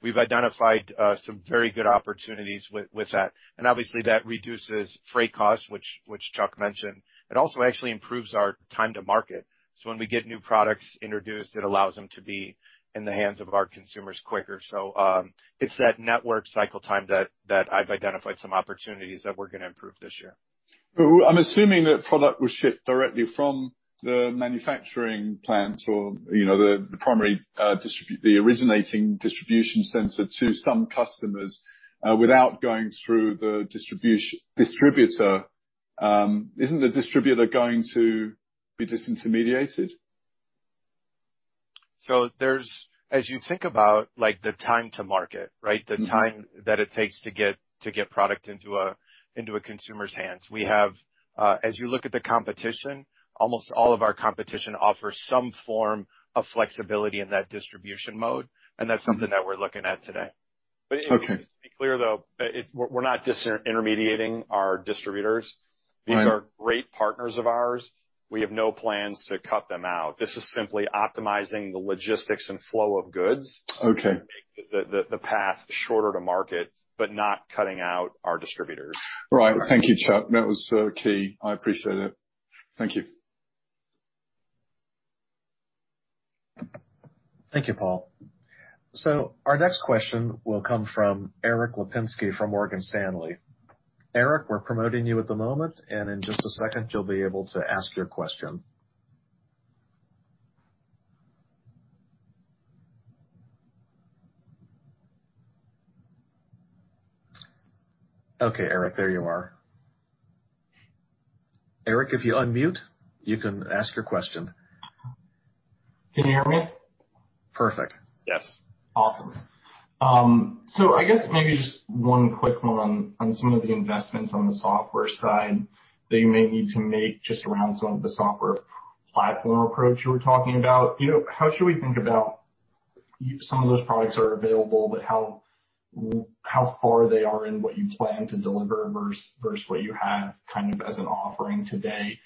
We've identified some very good opportunities with that. Obviously, that reduces freight costs, which Chuck mentioned. It also actually improves our time to market. When we get new products introduced, it allows them to be in the hands of our consumers quicker. It's that network cycle time that I've identified some opportunities that we're going to improve this year. I'm assuming that product was shipped directly from the manufacturing plant or the originating distribution center to some customers without going through the distributor. Isn't the distributor going to be disintermediated? As you think about the time to market, the time that it takes to get product into a consumer's hands. As you look at the competition, almost all of our competition offers some form of flexibility in that distribution mode, and that's something that we're looking at today. Okay. To be clear, though, we're not disintermediating our distributors. Right. These are great partners of ours. We have no plans to cut them out. This is simply optimizing the logistics and flow of goods. Okay. To make the path shorter to market, but not cutting out our distributors. Thank you, Chuck. That was key. I appreciate it. Thank you. Thank you, Paul. Our next question will come from Erik Lapinski from Morgan Stanley. Erik, we're promoting you at the moment, and in just a second you'll be able to ask your question. Okay, Erik, there you are. Erik, if you unmute, you can ask your question. Can you hear me? Perfect. Yes. Awesome. I guess maybe just one quick one on some of the investments on the software side that you may need to make just around some of the software platform approach you were talking about. How should we think about some of those products are available, but how far they are in what you plan to deliver versus what you have as an offering today?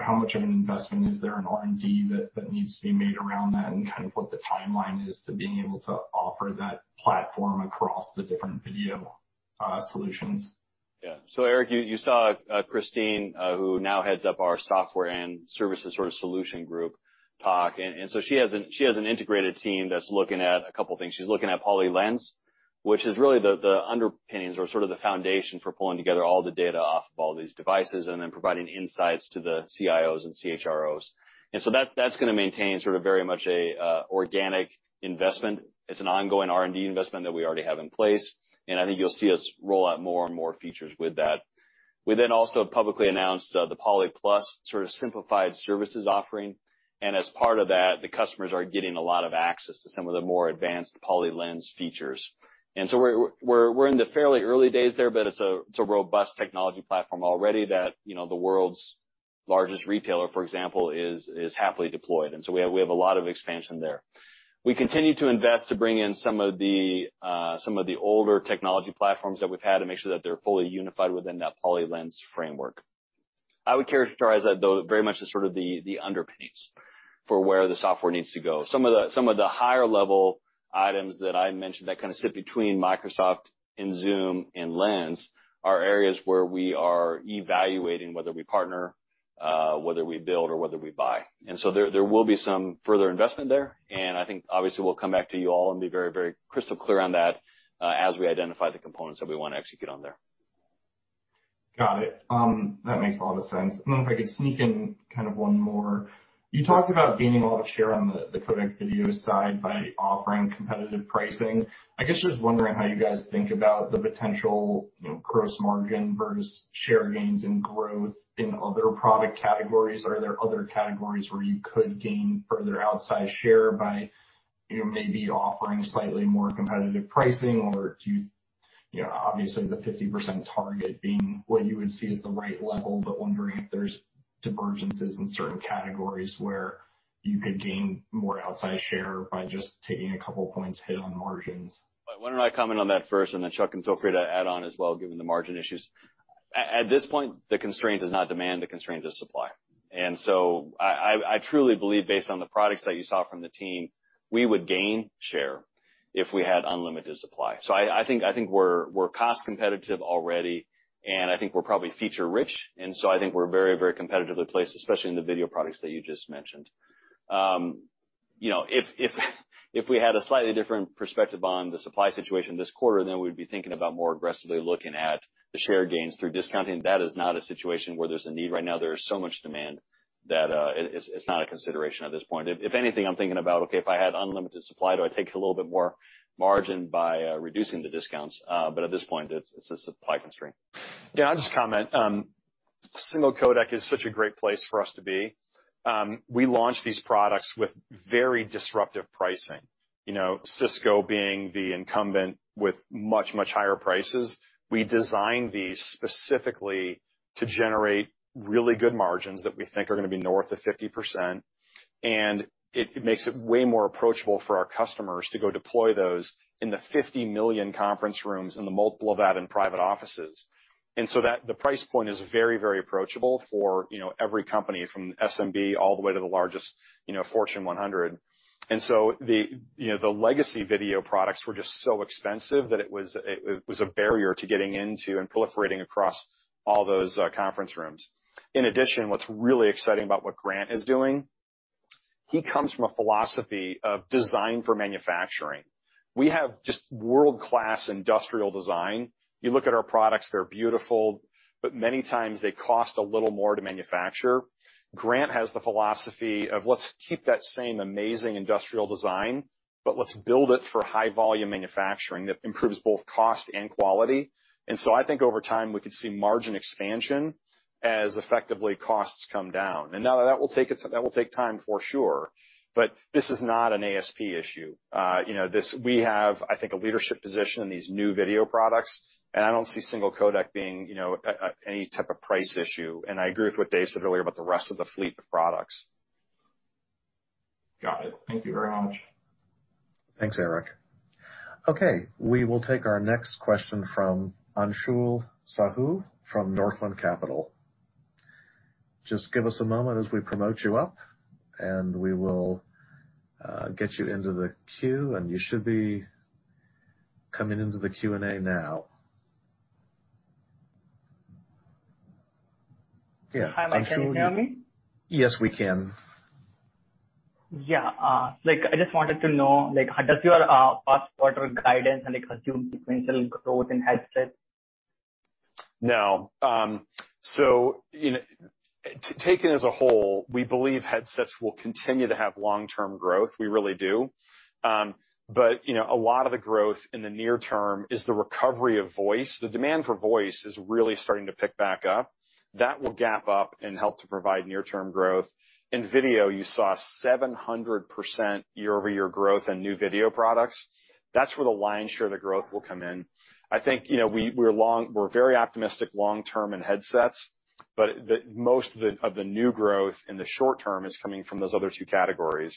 How much of an investment is there in R&D that needs to be made around that, and kind of what the timeline is to being able to offer that platform across the different video solutions? Yeah. Erik, you saw Christine, who now heads up our software and services sort of solution group talk. She has an integrated team that's looking at a couple of things. She's looking at Poly Lens, which is really the underpinnings or sort of the foundation for pulling together all the data off of all these devices and then providing insights to the CIOs and CHROs. That's going to maintain sort of very much an organic investment. It's an ongoing R&D investment that we already have in place, and I think you'll see us roll out more and more features with that. We then also publicly announced the Poly+ sort of simplified services offering. As part of that, the customers are getting a lot of access to some of the more advanced Poly Lens features. We're in the fairly early days there, but it's a robust technology platform already that the world's largest retailer, for example, is happily deployed. We have a lot of expansion there. We continue to invest to bring in some of the older technology platforms that we've had to make sure that they're fully unified within that Poly Lens framework. I would characterize that very much as sort of the underpinnings for where the software needs to go. Some of the higher-level items that I mentioned that sit between Microsoft and Zoom and Lens are areas where we are evaluating whether we partner, whether we build, or whether we buy. There will be some further investment there, and I think obviously we'll come back to you all and be very, very crystal clear on that as we identify the components that we want to execute on there. Got it. That makes a lot of sense. I don't know if I could sneak in one more. You talked about gaining a lot of share on the codec video side by offering competitive pricing. Wondering how you guys think about the potential gross margin versus share gains and growth in other product categories. Are there other categories where you could gain further outside share by maybe offering slightly more competitive pricing? Obviously the 50% target being what you would see as the right level, but wondering if there's divergences in certain categories where you could gain more outside share by just taking a couple points hit on margins. Why don't I comment on that first, and then Chuck can feel free to add on as well, given the margin issues. At this point, the constraint is not demand, the constraint is supply. I truly believe based on the products that you saw from the team, we would gain share if we had unlimited supply. I think we're cost competitive already, and I think we're probably feature rich, I think we're very, very competitively placed, especially in the video products that you just mentioned. If we had a slightly different perspective on the supply situation this quarter, then we'd be thinking about more aggressively looking at the share gains through discounting. That is not a situation where there's a need right now. There is so much demand that it's not a consideration at this point. If anything, I'm thinking about, okay, if I had unlimited supply, do I take a little bit more margin by reducing the discounts? At this point, it's a supply constraint. Yeah, I'll just comment. Single codec is such a great place for us to be. We launched these products with very disruptive pricing. Cisco being the incumbent with much higher prices. We designed these specifically to generate really good margins that we think are going to be north of 50%, and it makes it way more approachable for our customers to go deploy those in the 50 million conference rooms and the multiple of that in private offices. The price point is very approachable for every company from SMB all the way to the largest Fortune 100. The legacy video products were just so expensive that it was a barrier to getting into and proliferating across all those conference rooms. In addition, what's really exciting about what Grant is doing, he comes from a philosophy of design for manufacturing. We have just world-class industrial design. You look at our products, they're beautiful, but many times they cost a little more to manufacture. Grant has the philosophy of let's keep that same amazing industrial design, but let's build it for high-volume manufacturing that improves both cost and quality. I think over time, we could see margin expansion as effectively costs come down. That will take time for sure, but this is not an ASP issue. We have, I think, a leadership position in these new video products, and I don't see single codec being any type of price issue. I agree with what Dave said earlier about the rest of the fleet of products. Got it. Thank you very much. Thanks, Erik. Okay. We will take our next question from Anshul Sahu from Northland Capital. Just give us a moment as we promote you up, and we will get you into the queue, and you should be coming into the Q&A now. Hi. Can you hear me? Yes, we can. Yeah. I just wanted to know, does your first quarter guidance assume sequential growth in headsets? Taken as a whole, we believe headsets will continue to have long-term growth. We really do. A lot of the growth in the near term is the recovery of voice. The demand for voice is really starting to pick back up. That will gap up and help to provide near-term growth. In video, you saw 700% year-over-year growth in new video products. That's where the lion's share of the growth will come in. I think we're very optimistic long term in headsets, but most of the new growth in the short term is coming from those other two categories.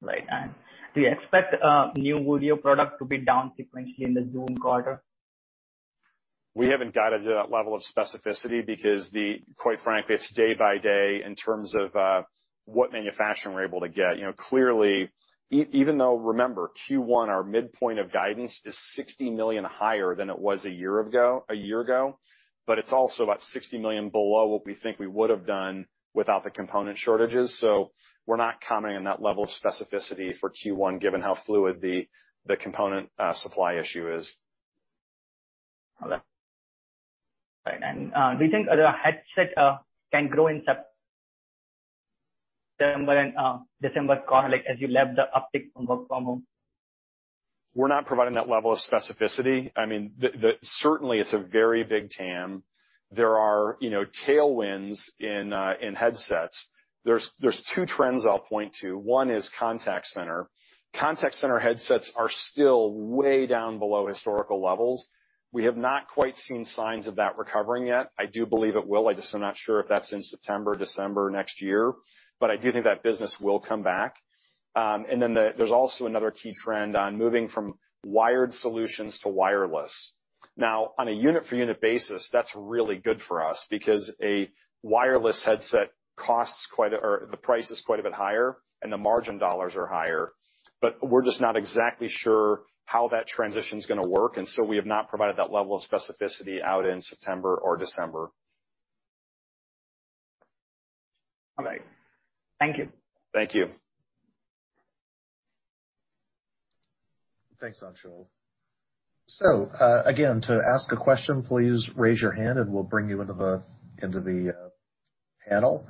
Right. Do you expect new audio product to be down sequentially in the June quarter? We haven't guided to that level of specificity because quite frankly, it's day by day in terms of what manufacturing we're able to get. Clearly, even though, remember, Q1, our midpoint of guidance is $60 million higher than it was a year ago, it's also about $60 million below what we think we would've done without the component shortages. We're not commenting on that level of specificity for Q1, given how fluid the component supply issue is. Okay. Do you think the headset can grow in the September quarter as you lap the uptick from work from home? We're not providing that level of specificity. Certainly, it's a very big TAM. There are tailwinds in headsets. There's two trends I'll point to. One is contact center. Contact center headsets are still way down below historical levels. We have not quite seen signs of that recovering yet. I do believe it will. I just am not sure if that's in September or December next year. I do think that business will come back. There's also another key trend on moving from wired solutions to wireless. On a unit-for-unit basis, that's really good for us because a wireless headset, the price is quite a bit higher and the margin dollars are higher. We're just not exactly sure how that transition's going to work, and so we have not provided that level of specificity out in September or December. Okay. Thank you. Thank you. Thanks, Anshul. Again, to ask a question, please raise your hand and we'll bring you into the panel.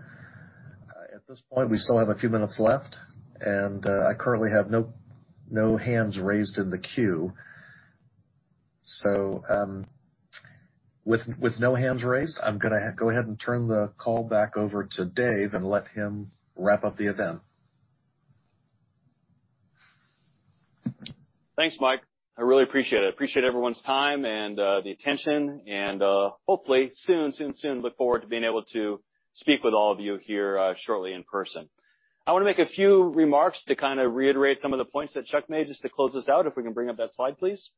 At this point, we still have a few minutes left, and I currently have no hands raised in the queue. With no hands raised, I'm going to go ahead and turn the call back over to Dave and let him wrap up the event. Thanks, Mike. I really appreciate it. Hopefully soon look forward to being able to speak with all of you here shortly in person. I want to make a few remarks to reiterate some of the points that Chuck made just to close this out. If we can bring up that slide, please.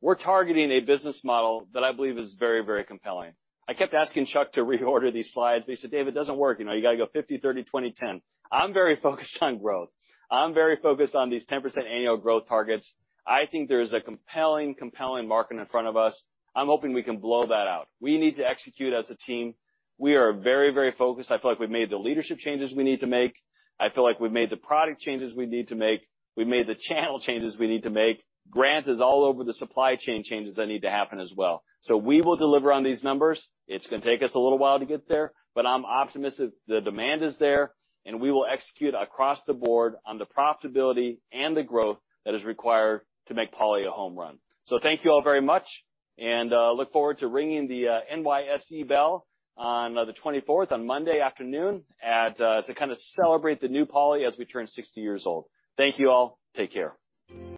We're targeting a business model that I believe is very compelling. I kept asking Chuck to reorder these slides, he said, "Dave, it doesn't work. You've got to go 50, 30, 20, 10." I'm very focused on growth. I'm very focused on these 10% annual growth targets. I think there's a compelling market in front of us. I'm hoping we can blow that out. We need to execute as a team. We are very focused. I feel like we've made the leadership changes we need to make. I feel like we've made the product changes we need to make. We've made the channel changes we need to make. Grant is all over the supply chain changes that need to happen as well. We will deliver on these numbers. It's going to take us a little while to get there, but I'm optimistic the demand is there, and we will execute across the board on the profitability and the growth that is required to make Poly a home run. Thank you all very much, and I look forward to ringing the NYSE bell on the 24th, on Monday afternoon, to kind of celebrate the new Poly as we turn 60 years old. Thank you all. Take care.